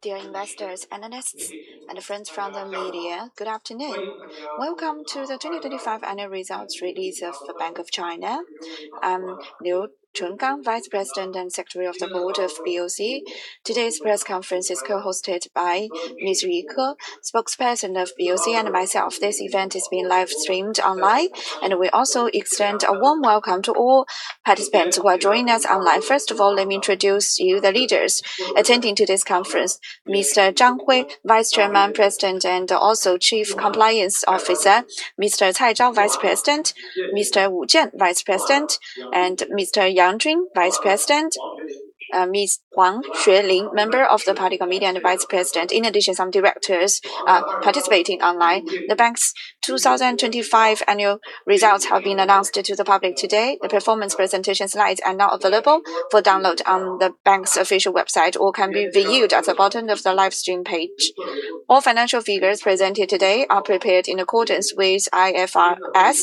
Dear investors, analysts, and friends from the media, good afternoon. Welcome to the 2025 annual results release of the Bank of China. I'm Liu Chenggang, Vice President and Secretary of the Board of BOC. Today's press conference is co-hosted by Ms. Yu Ke, Spokesperson of BOC and myself. This event is being live streamed online, and we also extend a warm welcome to all participants who are joining us online. First of all, let me introduce you to the leaders attending today's conference. Mr. Zhang Hui, Vice Chairman, President, and Chief Compliance Officer. Mr. Cai Zhao, Vice President. Mr. Wu Jian, Vice President. Mr. Yang Jun, Vice President. Ms. Wang Xueli, member of the Party Committee and Vice President. In addition, some directors participating online. The Bank's 2025 annual results have been announced to the public today. The performance presentation slides are now available for download on the bank's official website or can be viewed at the bottom of the live stream page. All financial figures presented today are prepared in accordance with IFRS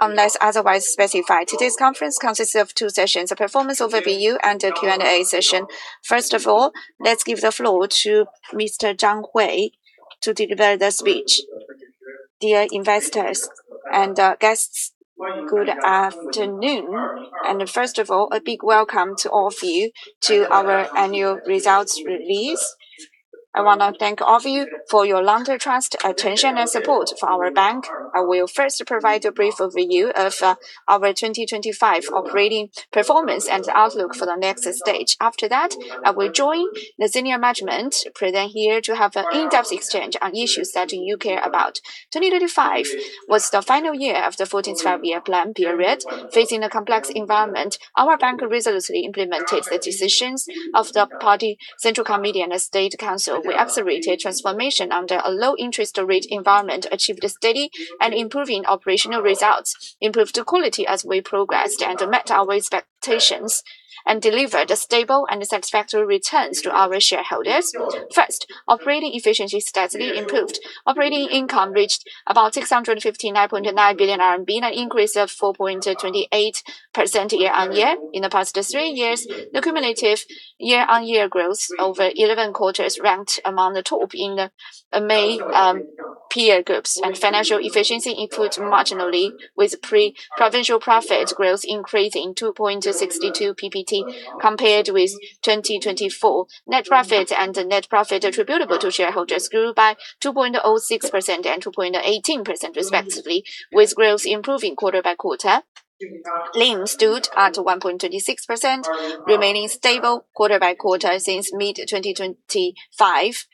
unless otherwise specified. Today's conference consists of two sessions, a performance overview and a Q&A session. First of all, let's give the floor to Mr. Zhang Hui to deliver the speech. Dear investors and guests, good afternoon. First of all, a big welcome to all of you to our annual results release. I want to thank all of you for your long-term trust, attention, and support for our bank. I will first provide a brief overview of our 2025 operating performance and outlook for the next stage. After that, I will join the senior management present here to have an in-depth exchange on issues that you care about. 2025 was the final year of the 14th Five-Year Plan period. Facing a complex environment, our bank resolutely implemented the decisions of the Party Central Committee and the State Council. We accelerated transformation under a low interest rate environment, achieved steady and improving operational results, improved quality as we progressed and met our expectations, and delivered a stable and satisfactory returns to our shareholders. First, operating efficiency steadily improved. Operating income reached about 659.9 billion RMB, an increase of 4.28% year-on-year. In the past three years, the cumulative year-on-year growth over 11 quarters ranked among the top in the main peer groups. Financial efficiency improved marginally with pre-provision profit growth increasing 2.62 PPT compared with 2024. Net profit and net profit attributable to shareholders grew by 2.06% and 2.18% respectively, with growth improving quarter-over-quarter. NIM stood at 1.36%, remaining stable quarter-over-quarter since mid 2025.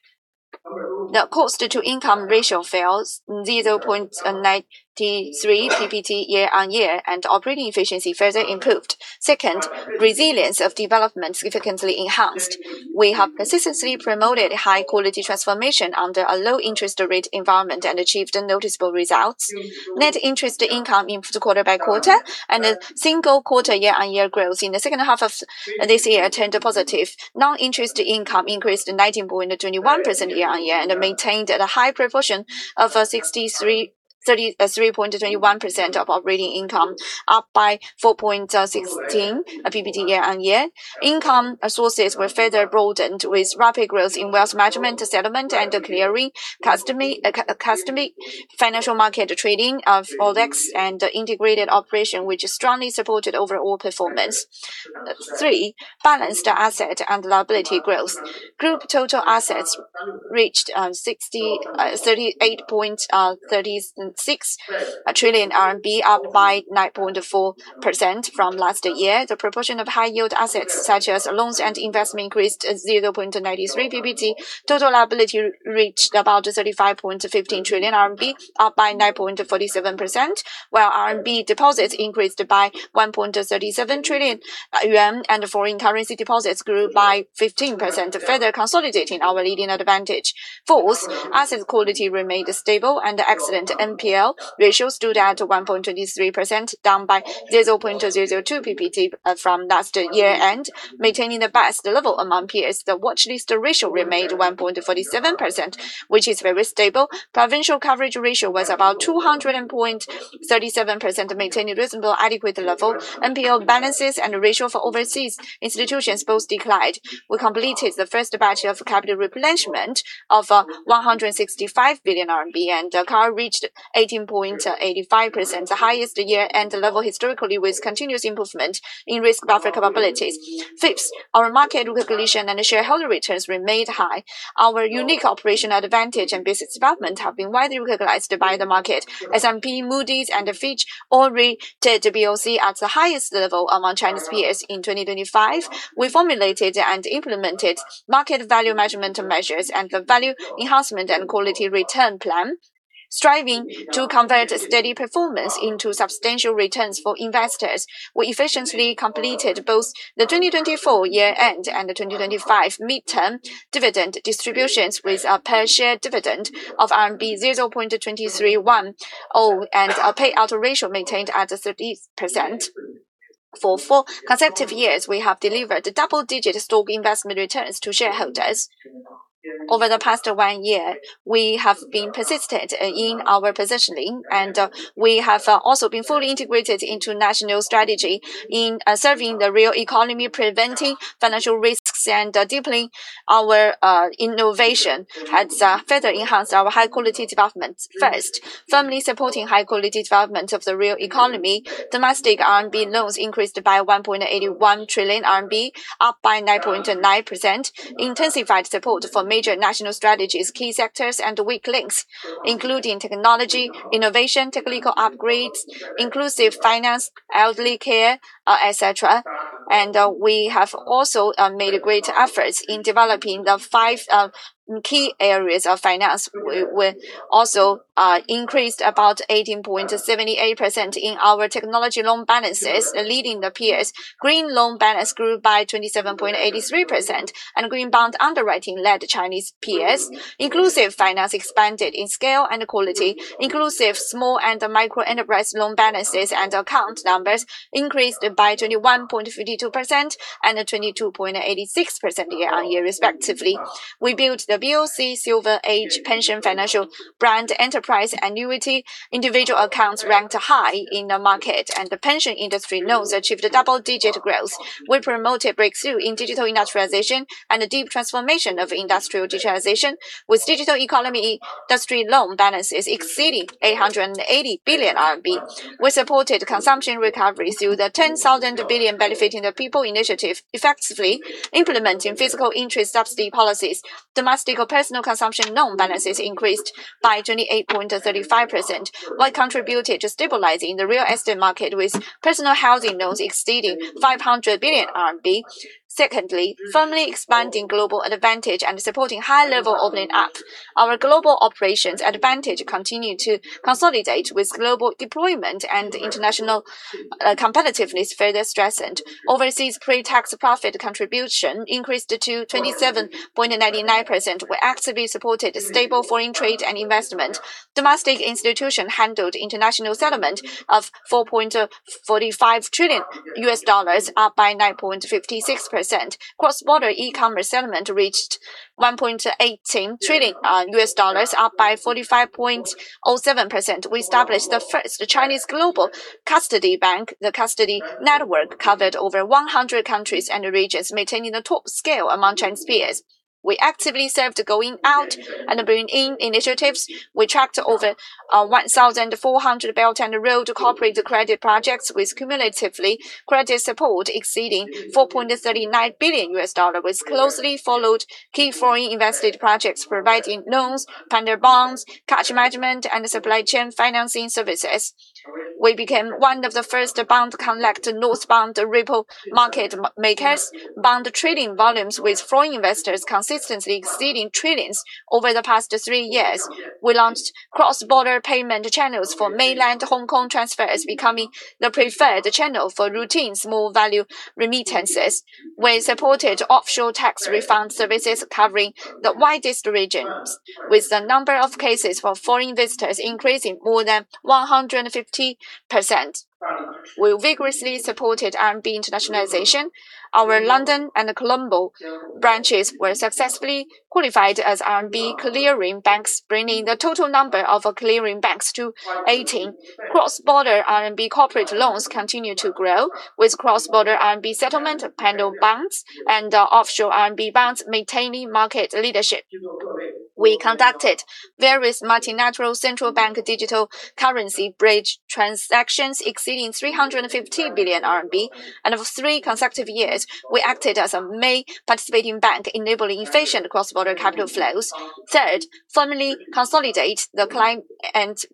The cost-to-income ratio fell 0.93 PPT year-over-year, and operating efficiency further improved. Second, resilience of development significantly enhanced. We have persistently promoted high quality transformation under a low interest rate environment and achieved noticeable results. Net interest income improved quarter-over-quarter and a single quarter year-over-year growth in the second half of this year turned positive. Non-interest income increased 19.21% year-over-year and maintained at a high proportion of 63.33% of operating income, up by 4.16 PPT year-over-year. Income sources were further broadened with rapid growth in wealth management, settlement and clearing, custody financial market trading of products and integrated operation, which strongly supported overall performance. Three, balanced asset and liability growth. Group total assets reached RMB 36.8 trillion, up 9.4% from last year. The proportion of high yield assets such as loans and investment increased 0.93 percentage points. Total liability reached about 35.15 trillion RMB, up 9.47%, while RMB deposits increased by 1.37 trillion yuan and foreign currency deposits grew by 15%, further consolidating our leading advantage. Fourth, asset quality remained stable and excellent. NPL ratio stood at 1.23%, down by 0.02 percentage points from last year, and maintaining the best level among peers. The watchlist ratio remained 1.47%, which is very stable. Provision coverage ratio was about 237%, maintaining reasonable adequate level. NPL balances and ratio for overseas institutions both declined. We completed the first batch of capital replenishment of RMB 165 billion, and CAR reached 18.85%, the highest year-end level historically, with continuous improvement in risk buffer capabilities. Fifth, our market recognition and shareholder returns remained high. Our unique operational advantage and business development have been widely recognized by the market. S&P, Moody's and Fitch all rated BOC at the highest level among Chinese peers in 2025. We formulated and implemented market value measurement measures and the value enhancement and quality return plan, striving to convert steady performance into substantial returns for investors. We efficiently completed both the 2024 year-end and the 2025 midterm dividend distributions, with a per share dividend of RMB 0.2310, and our payout ratio maintained at 30%. For four consecutive years, we have delivered double-digit stock investment returns to shareholders. Over the past one year, we have persisted in our positioning, and we have also been fully integrated into national strategy in serving the real economy, preventing financial risks, and deepening our innovation has further enhanced our high quality development. First, firmly supporting high quality development of the real economy. Domestic RMB loans increased by 1.81 trillion RMB, up by 9.9%. Intensified support for major national strategies, key sectors, and weak links, including technology, innovation, technical upgrades, inclusive finance, elderly care, et cetera. We have also made great efforts in developing the five key areas of finance. We also increased about 18.78% in our technology loan balances, leading the peers. Green loan balance grew by 27.83%, and green bond underwriting led Chinese peers. Inclusive finance expanded in scale and quality. Inclusive small and micro enterprise loan balances and account numbers increased by 21.52% and 22.86% year on year respectively. We built the BOC Silver Age Pension Financial Brand Enterprise Annuity. Individual accounts ranked high in the market, and the pension industry loans achieved a double-digit growth. We promoted breakthrough in digital industrialization and a deep transformation of industrial digitization with digital economy industry loan balances exceeding 880 billion RMB. We supported consumption recovery through the Wan Qian Bai Yi initiative, effectively implementing preferential interest subsidy policies. Domestic personal consumption loan balances increased by 28.35%. We contributed to stabilizing the real estate market with personal housing loans exceeding 500 billion RMB. Secondly, we firmly expanded global advantage and supported high-level opening up. Our global operations advantage continued to consolidate with global deployment and international competitiveness further strengthened. Overseas pre-tax profit contribution increased to 27.99%. We actively supported stable foreign trade and investment. Domestic institution handled international settlement of $4.45 trillion, up by 9.56%. Cross-border e-commerce settlement reached $1.18 trillion, up by 45.07%. We established the first Chinese global custody bank. The custody network covered over 100 countries and regions, maintaining the top scale among Chinese peers. We actively served going out and bringing in initiatives. We tracked over 1,400 Belt and Road corporate credit projects with cumulatively credit support exceeding $4.39 billion. We closely followed key foreign-invested projects, providing loans, panda bonds, cash management, and supply chain financing services. We became one of the first Bond Connect northbound RMB market makers, bond trading volumes with foreign investors consistently exceeding trillions over the past three years. We launched cross-border payment channels for mainland-Hong Kong transfers, becoming the preferred channel for routine small-value remittances. We supported offshore tax refund services covering the widest regions with the number of cases for foreign visitors increasing more than 150%. We vigorously supported RMB internationalization. Our London and Colombo branches were successfully qualified as RMB clearing banks, bringing the total number of clearing banks to 18. Cross-border RMB corporate loans continue to grow, with cross-border RMB settlement Panda bonds and offshore RMB bonds maintaining market leadership. We conducted various mBridge transactions exceeding 350 billion RMB. For three consecutive years, we acted as a main participating bank enabling efficient cross-border capital flows. Third, firmly consolidate the client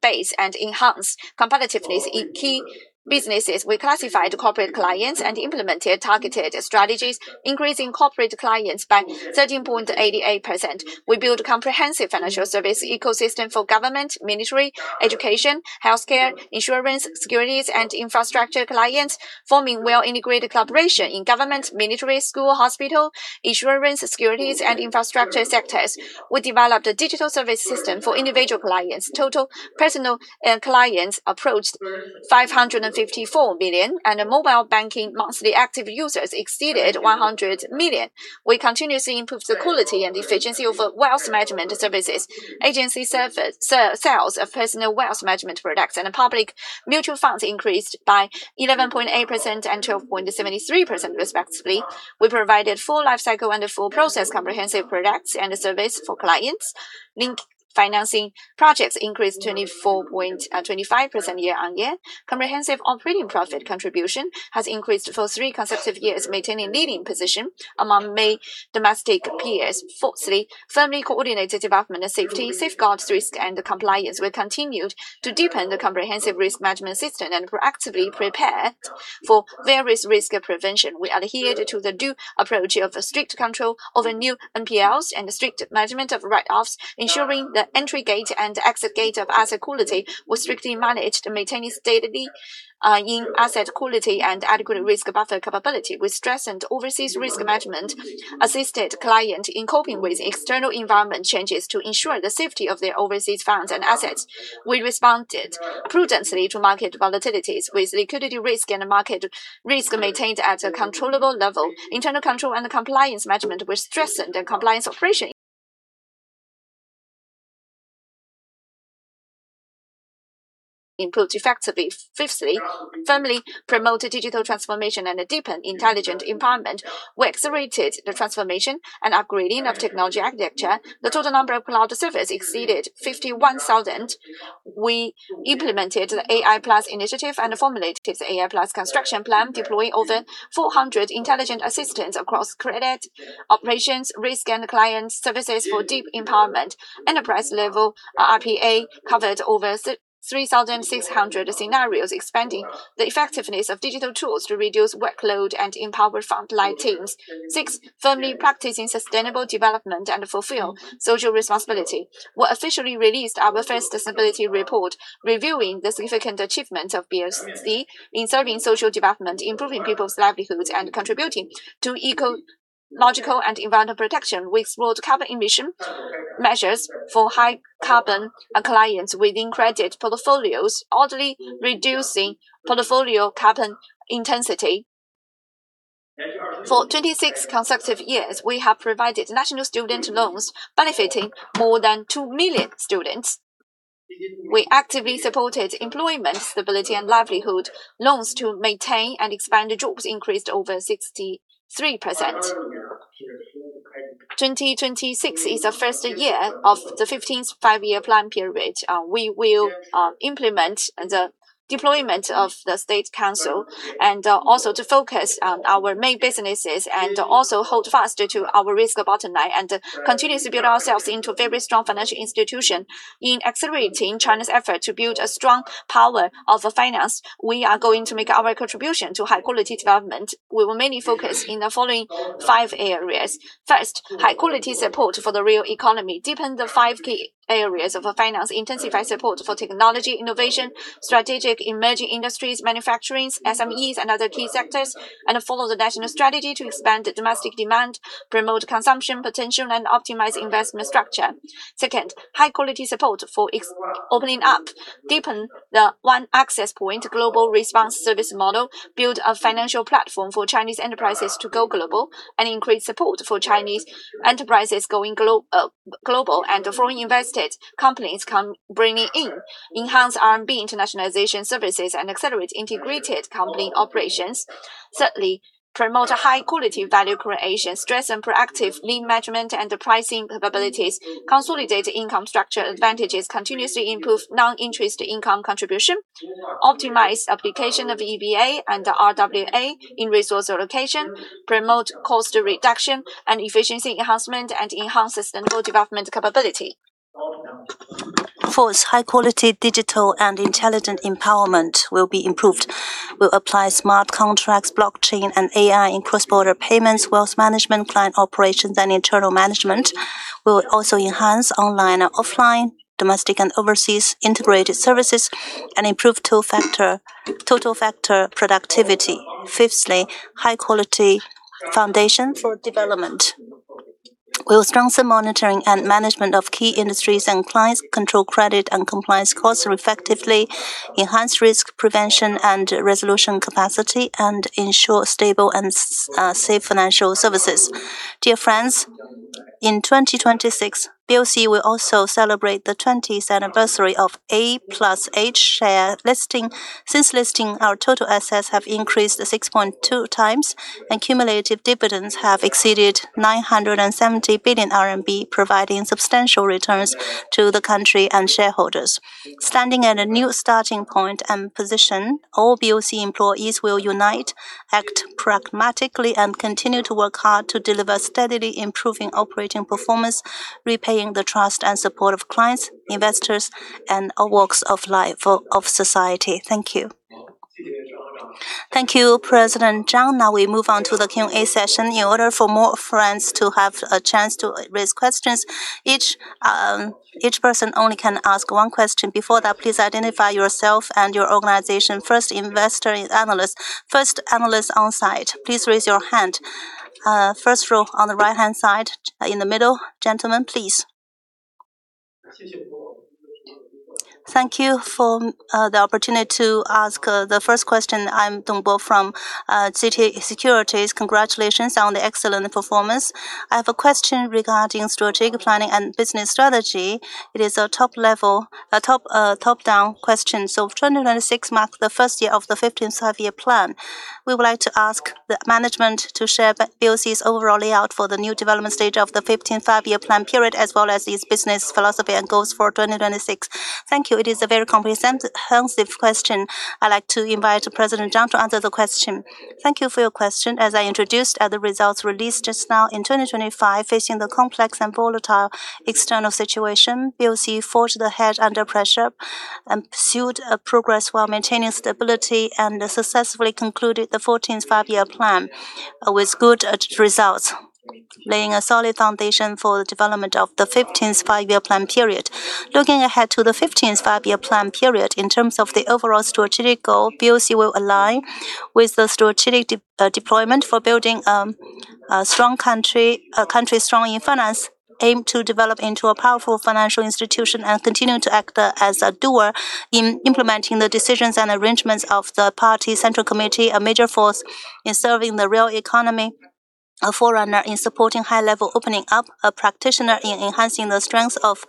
base and enhance competitiveness in key businesses. We classified corporate clients and implemented targeted strategies, increasing corporate clients by 13.88%. We built a comprehensive financial service ecosystem for government, military, education, healthcare, insurance, securities, and infrastructure clients, forming well-integrated collaboration in government, military, school, hospital, insurance, securities, and infrastructure sectors. We developed a digital service system for individual clients. Total personal clients approached 554 million, and mobile banking monthly active users exceeded 100 million. We continuously improved the quality and efficiency of wealth management services. Agency sales of personal wealth management products and public mutual funds increased by 11.8% and 12.73% respectively. We provided full life cycle and full process comprehensive products and service for clients. Link financing projects increased 25% year on year. Comprehensive operating profit contribution has increased for three consecutive years, maintaining leading position among many domestic peers. Fourthly, firmly coordinated development of safety, safeguards risk, and compliance. We continued to deepen the comprehensive risk management system and proactively prepare for various risk prevention. We adhered to the due approach of a strict control over new NPLs and a strict management of write-offs, ensuring the entry gate and exit gate of asset quality was strictly managed, maintaining steadily in asset quality and adequate risk buffer capability. We strengthened overseas risk management, assisted client in coping with external environment changes to ensure the safety of their overseas funds and assets. We responded prudently to market volatilities with liquidity risk and market risk maintained at a controllable level. Internal control and compliance management, we strengthened the compliance operation. Improve effectively. Fifthly, firmly promote digital transformation and deepen intelligent empowerment. We accelerated the transformation and upgrading of technology architecture. The total number of cloud service exceeded 51,000. We implemented the AI Plus initiative and formulated the AI Plus construction plan, deploying over 400 intelligent assistants across credit, operations, risk, and client services for deep empowerment. Enterprise-level RPA covered over 3,600 scenarios, expanding the effectiveness of digital tools to reduce workload and empower frontline teams. Sixthly, firmly practice sustainable development and fulfill social responsibility. We officially released our first sustainability report, reviewing the significant achievement of BOC in serving social development, improving people's livelihoods, and contributing to ecological and environmental protection. We explored carbon emission measures for high carbon clients within credit portfolios, thereby reducing portfolio carbon intensity. For 26 consecutive years, we have provided national student loans benefiting more than 2 million students. We actively supported employment stability and livelihood loans to maintain and expand the jobs increased over 63%. 2026 is the first year of the 15th Five-Year Plan period. We will implement the deployment of the State Council and also to focus on our main businesses and also hold fast to our risk bottom line and continuously build ourselves into a very strong financial institution. In accelerating China's effort to build a strong power of finance, we are going to make our contribution to high-quality development. We will mainly focus in the following five areas. First, high-quality support for the real economy. Deepen the five key areas of finance, intensify support for technology innovation, strategic emerging industries, manufacturing, SMEs and other key sectors, and follow the national strategy to expand the domestic demand, promote consumption potential and optimize investment structure. Second, high quality support for opening up. Deepen the one access point global response service model. Build a financial platform for Chinese enterprises to go global, and increase support for Chinese enterprises going global and foreign invested companies bringing in. Enhance RMB internationalization services and accelerate integrated company operations. Thirdly, promote high quality value creation. Stress on proactive lean management and pricing capabilities. Consolidate income structure advantages. Continuously improve non-interest income contribution. Optimize application of EVA and RWA in resource allocation. Promote cost reduction and efficiency enhancement and enhance sustainable development capability. Fourth, high quality digital and intelligent empowerment will be improved. We'll apply smart contracts, blockchain, and AI in cross-border payments, wealth management, client operations, and internal management. We'll also enhance online and offline, domestic and overseas integrated services and improve total factor productivity. Fifthly, high quality foundation for development. We'll strengthen monitoring and management of key industries and clients, control credit and compliance costs effectively, enhance risk prevention and resolution capacity, and ensure stable and safe financial services. Dear friends, in 2026, BOC will also celebrate the 20th anniversary of A+H share listing. Since listing, our total assets have increased 6.2 times and cumulative dividends have exceeded 970 billion RMB, providing substantial returns to the country and shareholders. Standing at a new starting point and position, all BOC employees will unite, act pragmatically, and continue to work hard to deliver steadily improving operating performance, repaying the trust and support of clients, investors, and all walks of life of society. Thank you. Thank you, President Zhang. Now we move on to the Q&A session. In order for more friends to have a chance to raise questions, each person only can ask one question. Before that, please identify yourself and your organization. First investor and analyst. First analyst on site, please raise your hand. First row on the right-hand side in the middle. Gentlemen, please. Thank you for the opportunity to ask the first question. I'm Dong Bo from TD Securities. Congratulations on the excellent performance. I have a question regarding strategic planning and business strategy. It is a top-down question. 2026 marks the first year of the 15th Five-Year Plan. We would like to ask the management to share BOC's overall layout for the new development stage of the 15th Five-Year Plan period as well as its business philosophy and goals for 2026. Thank you. It is a very comprehensive question. I'd like to invite President Zhang to answer the question. Thank you for your question. As I introduced at the results released just now, in 2025, facing the complex and volatile external situation, BOC forged ahead under pressure and pursued a progress while maintaining stability and successfully concluded the 14th Five-Year Plan with good results, laying a solid foundation for the development of the 15th Five-Year Plan period. Looking ahead to the 15th Five-Year Plan period, in terms of the overall strategic goal, BOC will align with the strategic deployment for building a strong country, a country strong in finance, aim to develop into a powerful financial institution and continue to act as a doer in implementing the decisions and arrangements of the Party Central Committee, a major force in serving the real economy. A forerunner in supporting high-level opening up, a practitioner in enhancing the strength of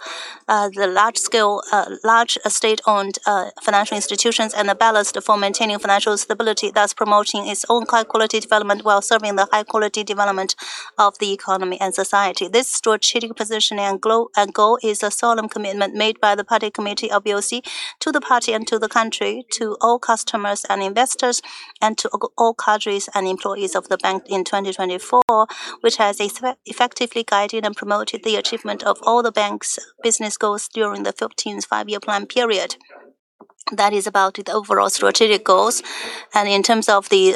the large-scale, large state-owned financial institutions and a ballast for maintaining financial stability, thus promoting its own high-quality development while serving the high-quality development of the economy and society. This strategic positioning and goal is a solemn commitment made by the Party Committee of BOC to the Party and to the country, to all customers and investors, and to all cadres and employees of the bank in 2024, which has effectively guided and promoted the achievement of all the bank's business goals during the 15th Five-Year Plan period. That is about the overall strategic goals. In terms of the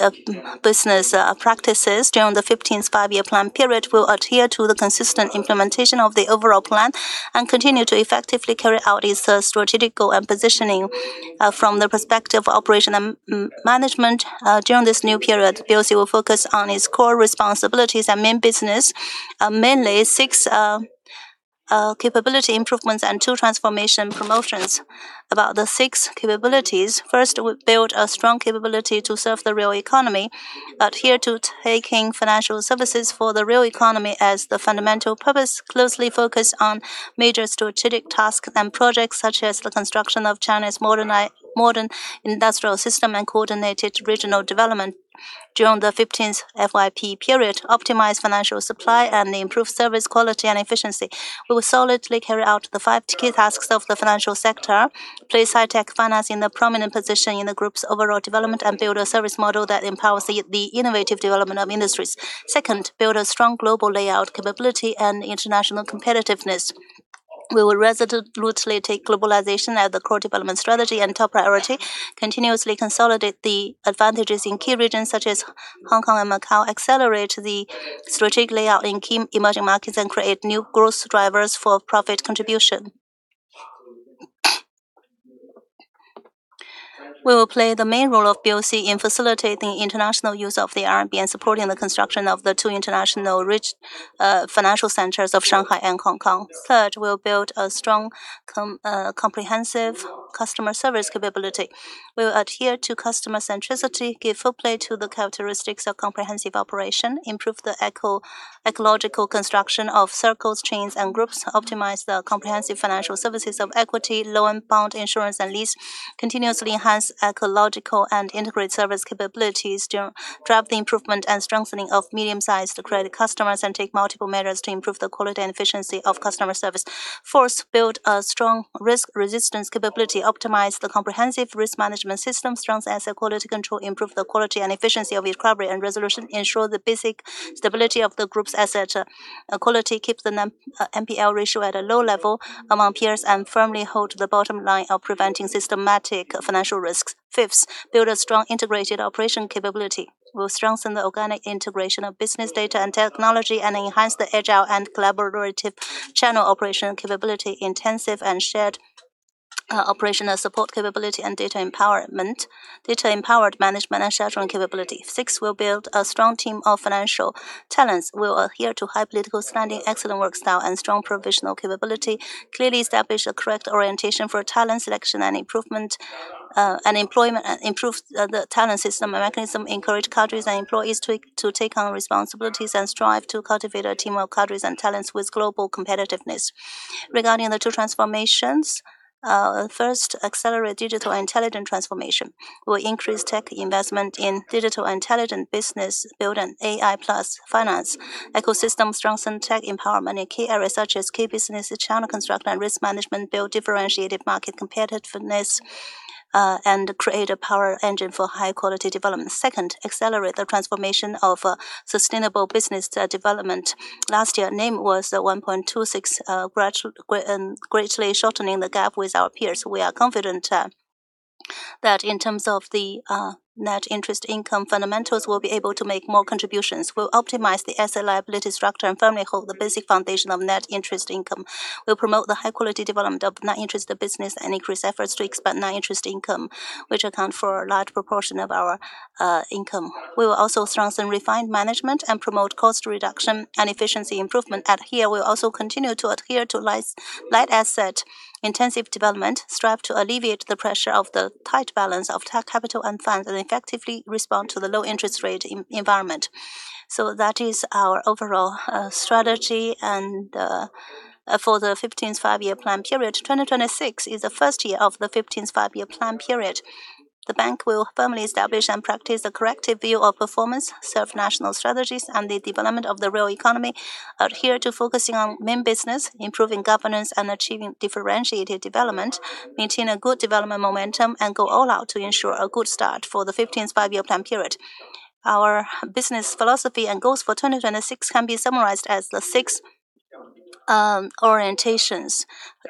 business practices during the 15th Five-Year Plan period, we'll adhere to the consistent implementation of the overall plan and continue to effectively carry out its strategic goal and positioning. From the perspective of operation and management, during this new period, BOC will focus on its core responsibilities and main business, mainly six capability improvements and two transformation promotions. About the six capabilities. First, we build a strong capability to serve the real economy, adhere to taking financial services for the real economy as the fundamental purpose. Closely focus on major strategic tasks and projects such as the construction of China's modern industrial system and coordinated regional development during the 15th FYP period, optimize financial supply, and improve service quality and efficiency. We will solidly carry out the five key tasks of the financial sector, place high-tech finance in a prominent position in the group's overall development, and build a service model that empowers the innovative development of industries. Second, build a strong global layout capability and international competitiveness. We will resolutely take globalization as the core development strategy and top priority, continuously consolidate the advantages in key regions such as Hong Kong and Macau, accelerate the strategic layout in key emerging markets, and create new growth drivers for profit contribution. We will play the main role of BOC in facilitating international use of the RMB and supporting the construction of the two international financial centers of Shanghai and Hong Kong. Third, we'll build a strong comprehensive customer service capability. We will adhere to customer centricity, give full play to the characteristics of comprehensive operation, improve the ecological construction of circles, chains, and groups, optimize the comprehensive financial services of equity, loan, bond, insurance, and lease, continuously enhance ecological and integrated service capabilities to drive the improvement and strengthening of medium-sized credit customers, and take multiple measures to improve the quality and efficiency of customer service. Fourth, build a strong risk resistance capability, optimize the comprehensive risk management system, strengthen asset quality control, improve the quality and efficiency of recovery and resolution, ensure the basic stability of the group's asset quality, keeps the NPL ratio at a low level among peers, and firmly hold the bottom line of preventing systemic financial risks. Fifth, build a strong integrated operation capability. We'll strengthen the organic integration of business data and technology and enhance the agile and collaborative channel operation capability, intensive and shared operational support capability and data empowerment, data-empowered management and sharing capability. Six, we'll build a strong team of financial talents. We will adhere to high political standing, excellent work style, and strong professional capability. Clearly establish a correct orientation for talent selection and improvement and employment. Improve the talent system and mechanism. Encourage cadres and employees to take on responsibilities and strive to cultivate a team of cadres and talents with global competitiveness. Regarding the two transformations. First, accelerate digital intelligent transformation. We'll increase tech investment in digital intelligent business, build an AI+ finance ecosystem, strengthen tech empowerment in key areas such as key businesses, channel construction, and risk management, build differentiated market competitiveness, and create a power engine for high quality development. Second, accelerate the transformation of sustainable business development. Last year, NIM was at 1.26% and greatly shortening the gap with our peers. We are confident that in terms of the net interest income fundamentals, we'll be able to make more contributions. We'll optimize the asset liability structure and firmly hold the basic foundation of net interest income. We'll promote the high quality development of net interest business and increase efforts to expand net interest income, which account for a large proportion of our income. We will also strengthen refined management and promote cost reduction and efficiency improvement. We'll also continue to adhere to light asset intensive development, strive to alleviate the pressure of the tight balance of capital and funds, and effectively respond to the low interest rate environment. That is our overall strategy and for the 15th Five-Year Plan period. 2026 is the first year of the 15th Five-Year Plan period. The bank will firmly establish and practice a corrective view of performance, serve national strategies and the development of the real economy, adhere to focusing on main business, improving governance, and achieving differentiated development, maintain a good development momentum, and go all out to ensure a good start for the 15th Five-Year Plan period. Our business philosophy and goals for 2026 can be summarized as the six orientations.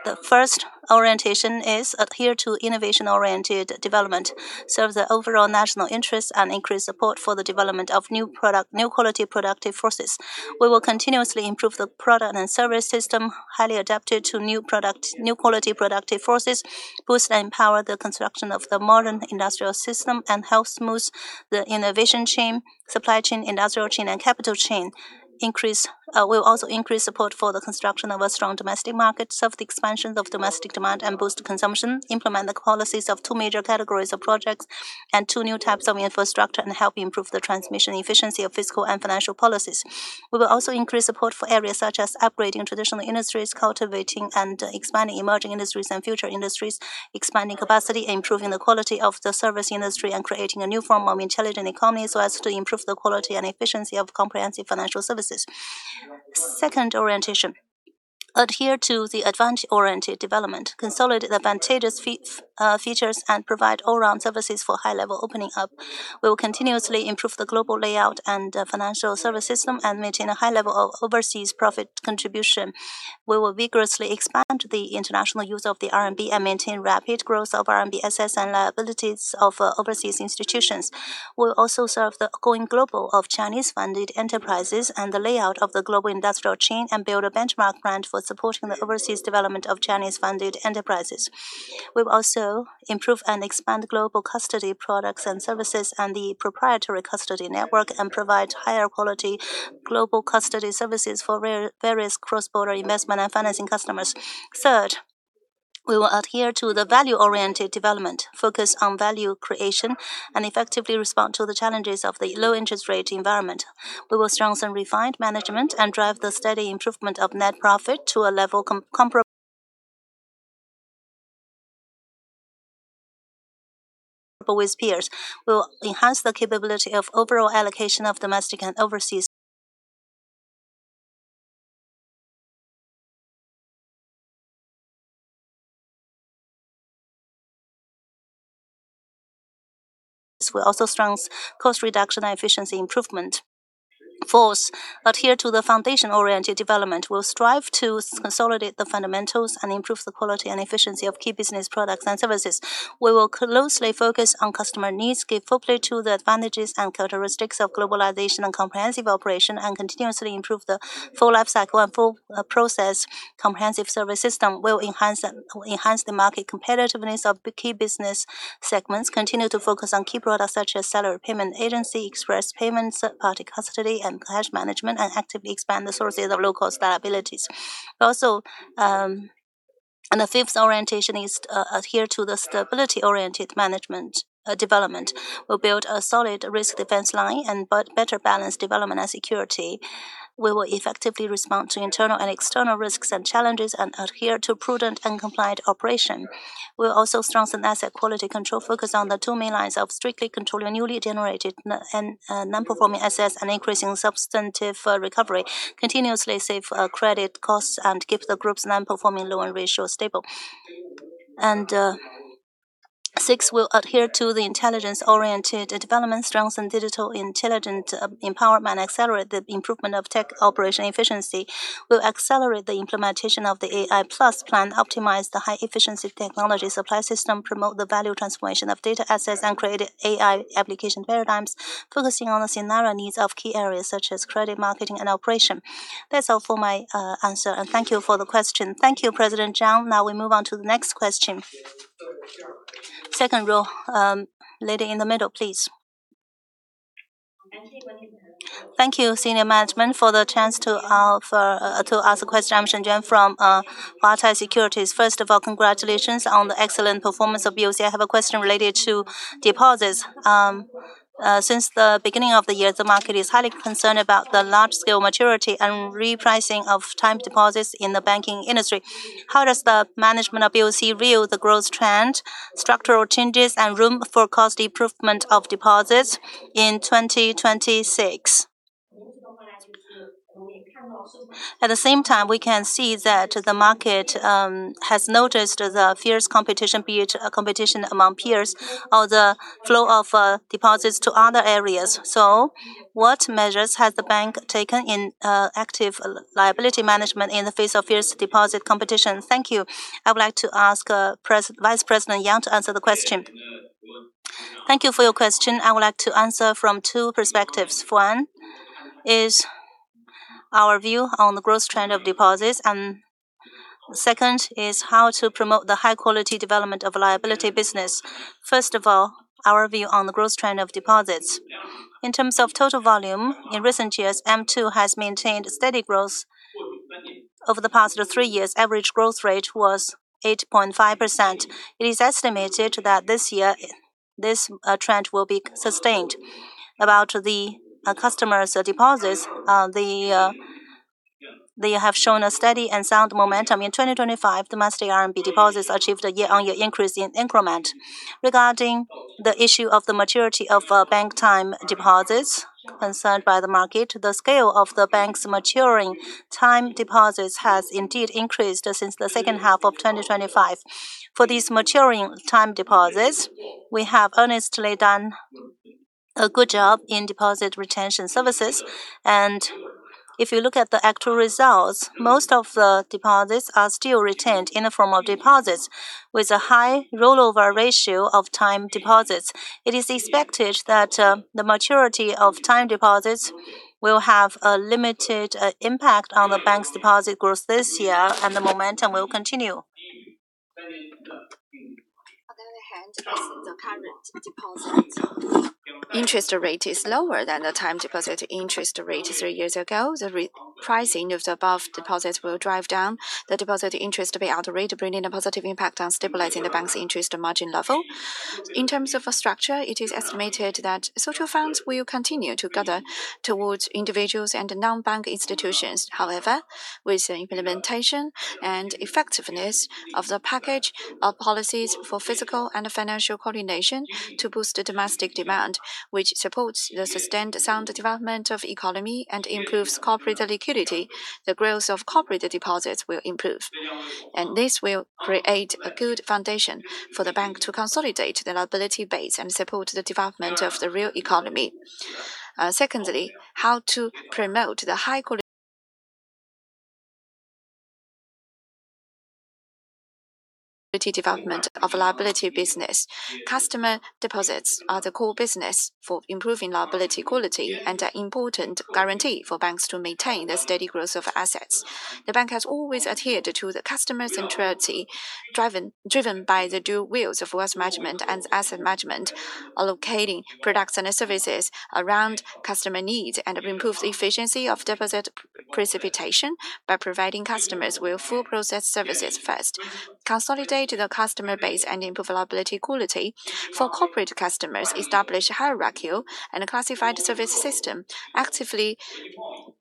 The first orientation is to adhere to innovation-oriented development, serve the overall national interest, and increase support for the development of new quality productive forces. We will continuously improve the product and service system highly adapted to new quality productive forces, boost and empower the construction of the modern industrial system, and help smooth the innovation chain, supply chain, industrial chain, and capital chain. We'll also increase support for the construction of a strong domestic market, serve the expansion of domestic demand and boost consumption, implement the policies of two major categories of projects and two new types of infrastructure, and help improve the transmission efficiency of fiscal and financial policies. We will also increase support for areas such as upgrading traditional industries, cultivating and expanding emerging industries and future industries, expanding capacity, improving the quality of the service industry, and creating a new form of intelligent economy so as to improve the quality and efficiency of comprehensive financial services. Second orientation, adhere to the advantage-oriented development, consolidate the advantageous features, and provide all-around services for high-level opening up. We will continuously improve the global layout and financial service system and maintain a high level of overseas profit contribution. We will vigorously expand the international use of the RMB and maintain rapid growth of RMB assets and liabilities of overseas institutions. We'll also serve the going global of Chinese-funded enterprises and the layout of the global industrial chain and build a benchmark brand for supporting the overseas development of Chinese-funded enterprises. We'll also improve and expand global custody products and services and the proprietary custody network and provide higher quality global custody services for various cross-border investment and financing customers. Third, we will adhere to the value-oriented development, focus on value creation, and effectively respond to the challenges of the low interest rate environment. We will strengthen refined management and drive the steady improvement of net profit to a level comparable with peers. We will enhance the capability of overall allocation of domestic and overseas. We'll also strengthen cost reduction and efficiency improvement. Fourth, adhere to the foundation-oriented development. We'll strive to consolidate the fundamentals and improve the quality and efficiency of key business products and services. We will closely focus on customer needs, give full play to the advantages and characteristics of globalization and comprehensive operation, and continuously improve the full lifecycle and full process comprehensive service system. We'll enhance the market competitiveness of the key business segments, continue to focus on key products such as salary payment agency, express payments, third-party custody, and cash management, and actively expand the sources of low-cost liabilities. We'll also adhere to the stability-oriented management development. We'll build a solid risk defense line and better balance development and security. We will effectively respond to internal and external risks and challenges and adhere to prudent and compliant operation. We'll also strengthen asset quality control, focus on the two main lines of strictly controlling newly generated non-performing assets and increasing substantive recovery, continuously save credit costs, and keep the group's non-performing loan ratio stable. Six, we'll adhere to the intelligence-oriented development, strengthen digital intelligent empowerment, and accelerate the improvement of tech operation efficiency. We'll accelerate the implementation of the AI plus plan, optimize the high-efficiency technology supply system, promote the value transformation of data assets, and create AI application paradigms, focusing on the scenario needs of key areas such as credit marketing and operation. That's all for my answer, and thank you for the question. Thank you, President Zhang. Now we move on to the next question. Second row, lady in the middle, please. Thank you, senior management, for the chance to ask a question. I'm Xinjun Zhang from Haitong Securities. First of all, congratulations on the excellent performance of BOC. I have a question related to deposits. Since the beginning of the year, the market is highly concerned about the large-scale maturity and repricing of time deposits in the banking industry. How does the management of BOC view the growth trend, structural changes, and room for cost improvement of deposits in 2026? At the same time, we can see that the market has noticed the fierce competition, be it competition among peers or the flow of deposits to other areas. What measures has the bank taken in active liability management in the face of fierce deposit competition? Thank you. I would like to ask Vice President Yang to answer the question. Thank you for your question. I would like to answer from two perspectives. One is our view on the growth trend of deposits, and second is how to promote the high-quality development of liability business. First of all, our view on the growth trend of deposits. In terms of total volume, in recent years, M2 has maintained steady growth. Over the past three years, average growth rate was 8.5%. It is estimated that this year, this trend will be sustained. About the customer deposits, they have shown a steady and sound momentum. In 2025, domestic RMB deposits achieved a year-on-year increase in increment. Regarding the issue of the maturity of bank time deposits concerned by the market, the scale of the bank's maturing time deposits has indeed increased since the second half of 2025. For these maturing time deposits, we have honestly done a good job in deposit retention services. If you look at the actual results, most of the deposits are still retained in the form of deposits with a high rollover ratio of time deposits. It is expected that the maturity of time deposits will have a limited impact on the bank's deposit growth this year, and the momentum will continue. Interest rate is lower than the time deposit interest rate three years ago. The re-pricing of the above deposits will drive down the deposit interest pay out rate, bringing a positive impact on stabilizing the bank's interest and margin level. In terms of a structure, it is estimated that social funds will continue to gather towards individuals and non-bank institutions. However, with the implementation and effectiveness of the package of policies for fiscal and financial coordination to boost the domestic demand, which supports the sustained sound development of economy and improves corporate liquidity, the growth of corporate deposits will improve. This will create a good foundation for the bank to consolidate the liability base and support the development of the real economy. Secondly, how to promote the high quality development of liability business. Customer deposits are the core business for improving liability quality and an important guarantee for banks to maintain the steady growth of assets. The bank has always adhered to the customer centricity, driven by the dual wheels of risk management and asset management, allocating products and services around customer needs, and improve the efficiency of deposit precipitation by providing customers with full process services first. Consolidate the customer base and improve liability quality. For corporate customers, establish hierarchy and a classified service system. Actively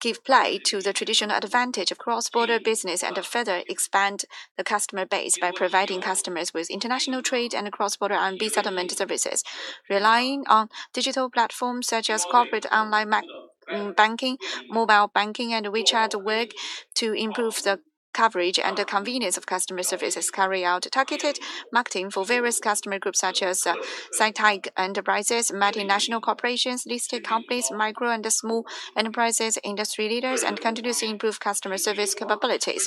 give full play to the traditional advantage of cross-border business and further expand the customer base by providing customers with international trade and cross-border RMB settlement services. Relying on digital platforms such as corporate online banking, mobile banking, and WeChat Work to improve the coverage and the convenience of customer services. Carry out targeted marketing for various customer groups such as scientific enterprises, multinational corporations, listed companies, micro and small enterprises, industry leaders, and continuously improve customer service capabilities.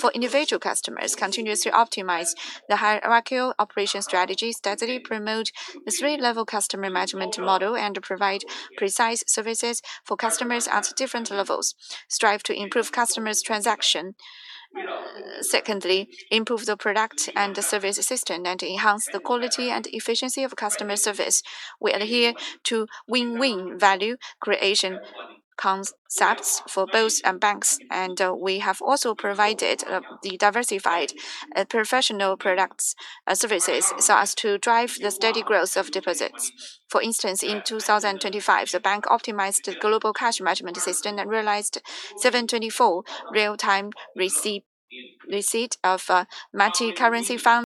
For individual customers, continuously optimize the hierarchical operation strategy, steadily promote the three-level customer management model, and provide precise services for customers at different levels. Strive to improve customers' transaction. Secondly, improve the product and the service system and enhance the quality and efficiency of customer service. We adhere to win-win value creation concepts for both banks and we have also provided the diversified professional products, services so as to drive the steady growth of deposits. For instance, in 2025, the bank optimized the global cash management system and realized 7/24 real-time receipt of multi-currency funds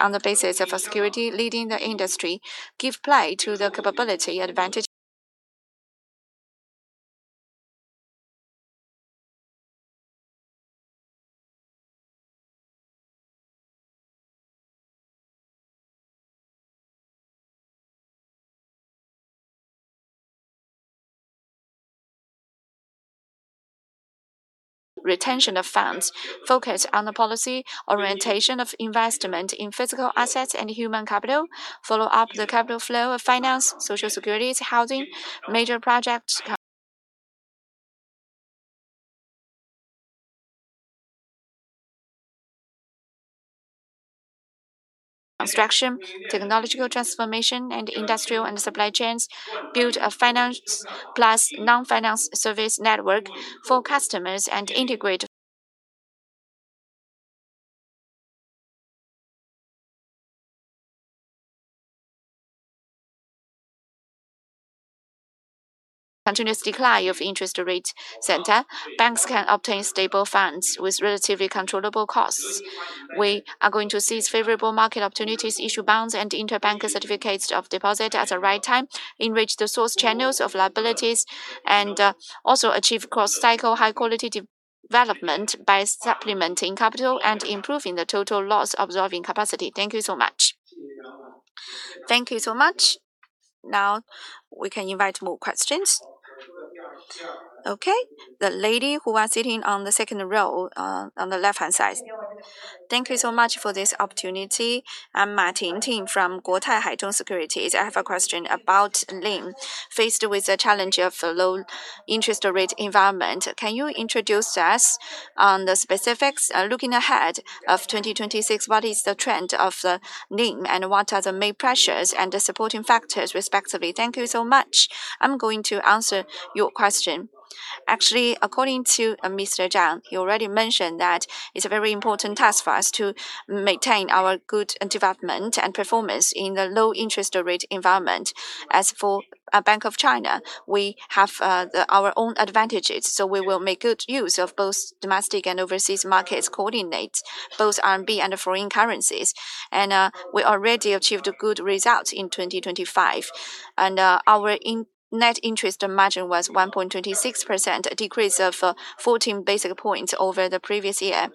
on the basis of security leading the industry. Give play to the capability advantage. Retention of funds. Focus on the policy orientation of investment in physical assets and human capital. Follow up the capital flow of finance, social securities, housing, major projects construction, technological transformation, and industrial and supply chains. Build a finance plus non-finance service network for customers and integrate continuous decline of interest rate center. Banks can obtain stable funds with relatively controllable costs. We are going to seize favorable market opportunities, issue bonds and interbank certificates of deposit at the right time, enrich the source channels of liabilities, and also achieve cross-cycle high quality development by supplementing capital and improving the total loss-absorbing capacity. Thank you so much. Thank you so much. Now we can invite more questions. Okay. The lady who are sitting on the second row, on the left-hand side. Thank you so much for this opportunity. I'm Martin Ting from Guotai Junan Securities. I have a question about NIM. Faced with the challenge of the low interest rate environment, can you introduce us on the specifics? Looking ahead of 2026, what is the trend of the NIM, and what are the main pressures and the supporting factors, respectively? Thank you so much. I'm going to answer your question. Actually, according to Mr. Zhang, he already mentioned that it's a very important task for us to maintain our good development and performance in the low interest rate environment. As for Bank of China, we have our own advantages, so we will make good use of both domestic and overseas markets, coordinate both RMB and foreign currencies. We already achieved good results in 2025. Our net interest margin was 1.26%, a decrease of 14 basis points over the previous year.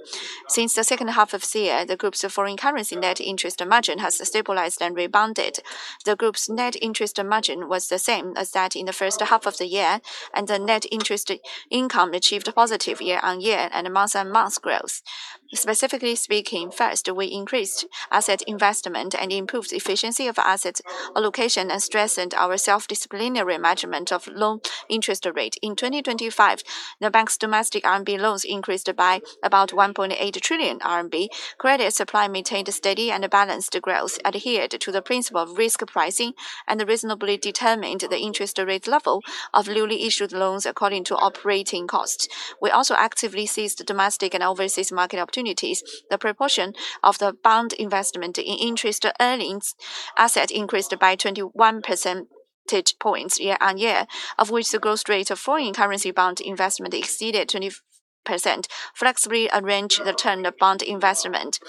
Since the second half of the year, the group's foreign currency net interest margin has stabilized and rebounded. The group's net interest margin was the same as that in the first half of the year, and the net interest income achieved positive year-on-year and month-on-month growth. Specifically speaking, first, we increased asset investment and improved efficiency of asset allocation and strengthened our self-disciplinary management of low interest rate. In 2025, the bank's domestic RMB loans increased by about 1.8 trillion RMB. Credit supply maintained steady and balanced growth, adhered to the principle of risk pricing, and reasonably determined the interest rate level of newly issued loans according to operating costs. We also actively seized domestic and overseas market opportunities. The proportion of the bond investment in interest-earning assets increased by 21 percentage points year-on-year, of which the growth rate of foreign currency bond investment exceeded 20%, flexibly arranged the term bond investment.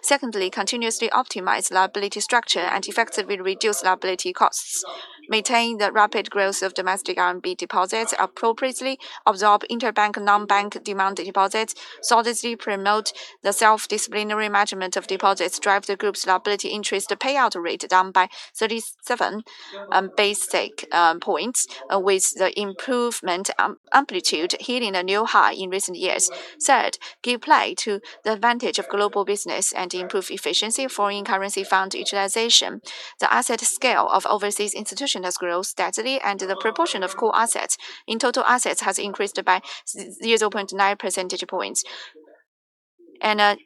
Secondly, continuously optimize liability structure and effectively reduce liability costs, maintain the rapid growth of domestic RMB deposits, appropriately absorb interbank non-bank demand deposits, solidly promote the self-disciplinary management of deposits, drive the group's liability interest payout rate down by 37 basis points with the improvement amplitude hitting a new high in recent years. Third, give play to the advantage of global business and improve efficiency of foreign currency fund utilization. The asset scale of overseas institution has grown steadily, and the proportion of core assets in total assets has increased by 0.9 percentage points.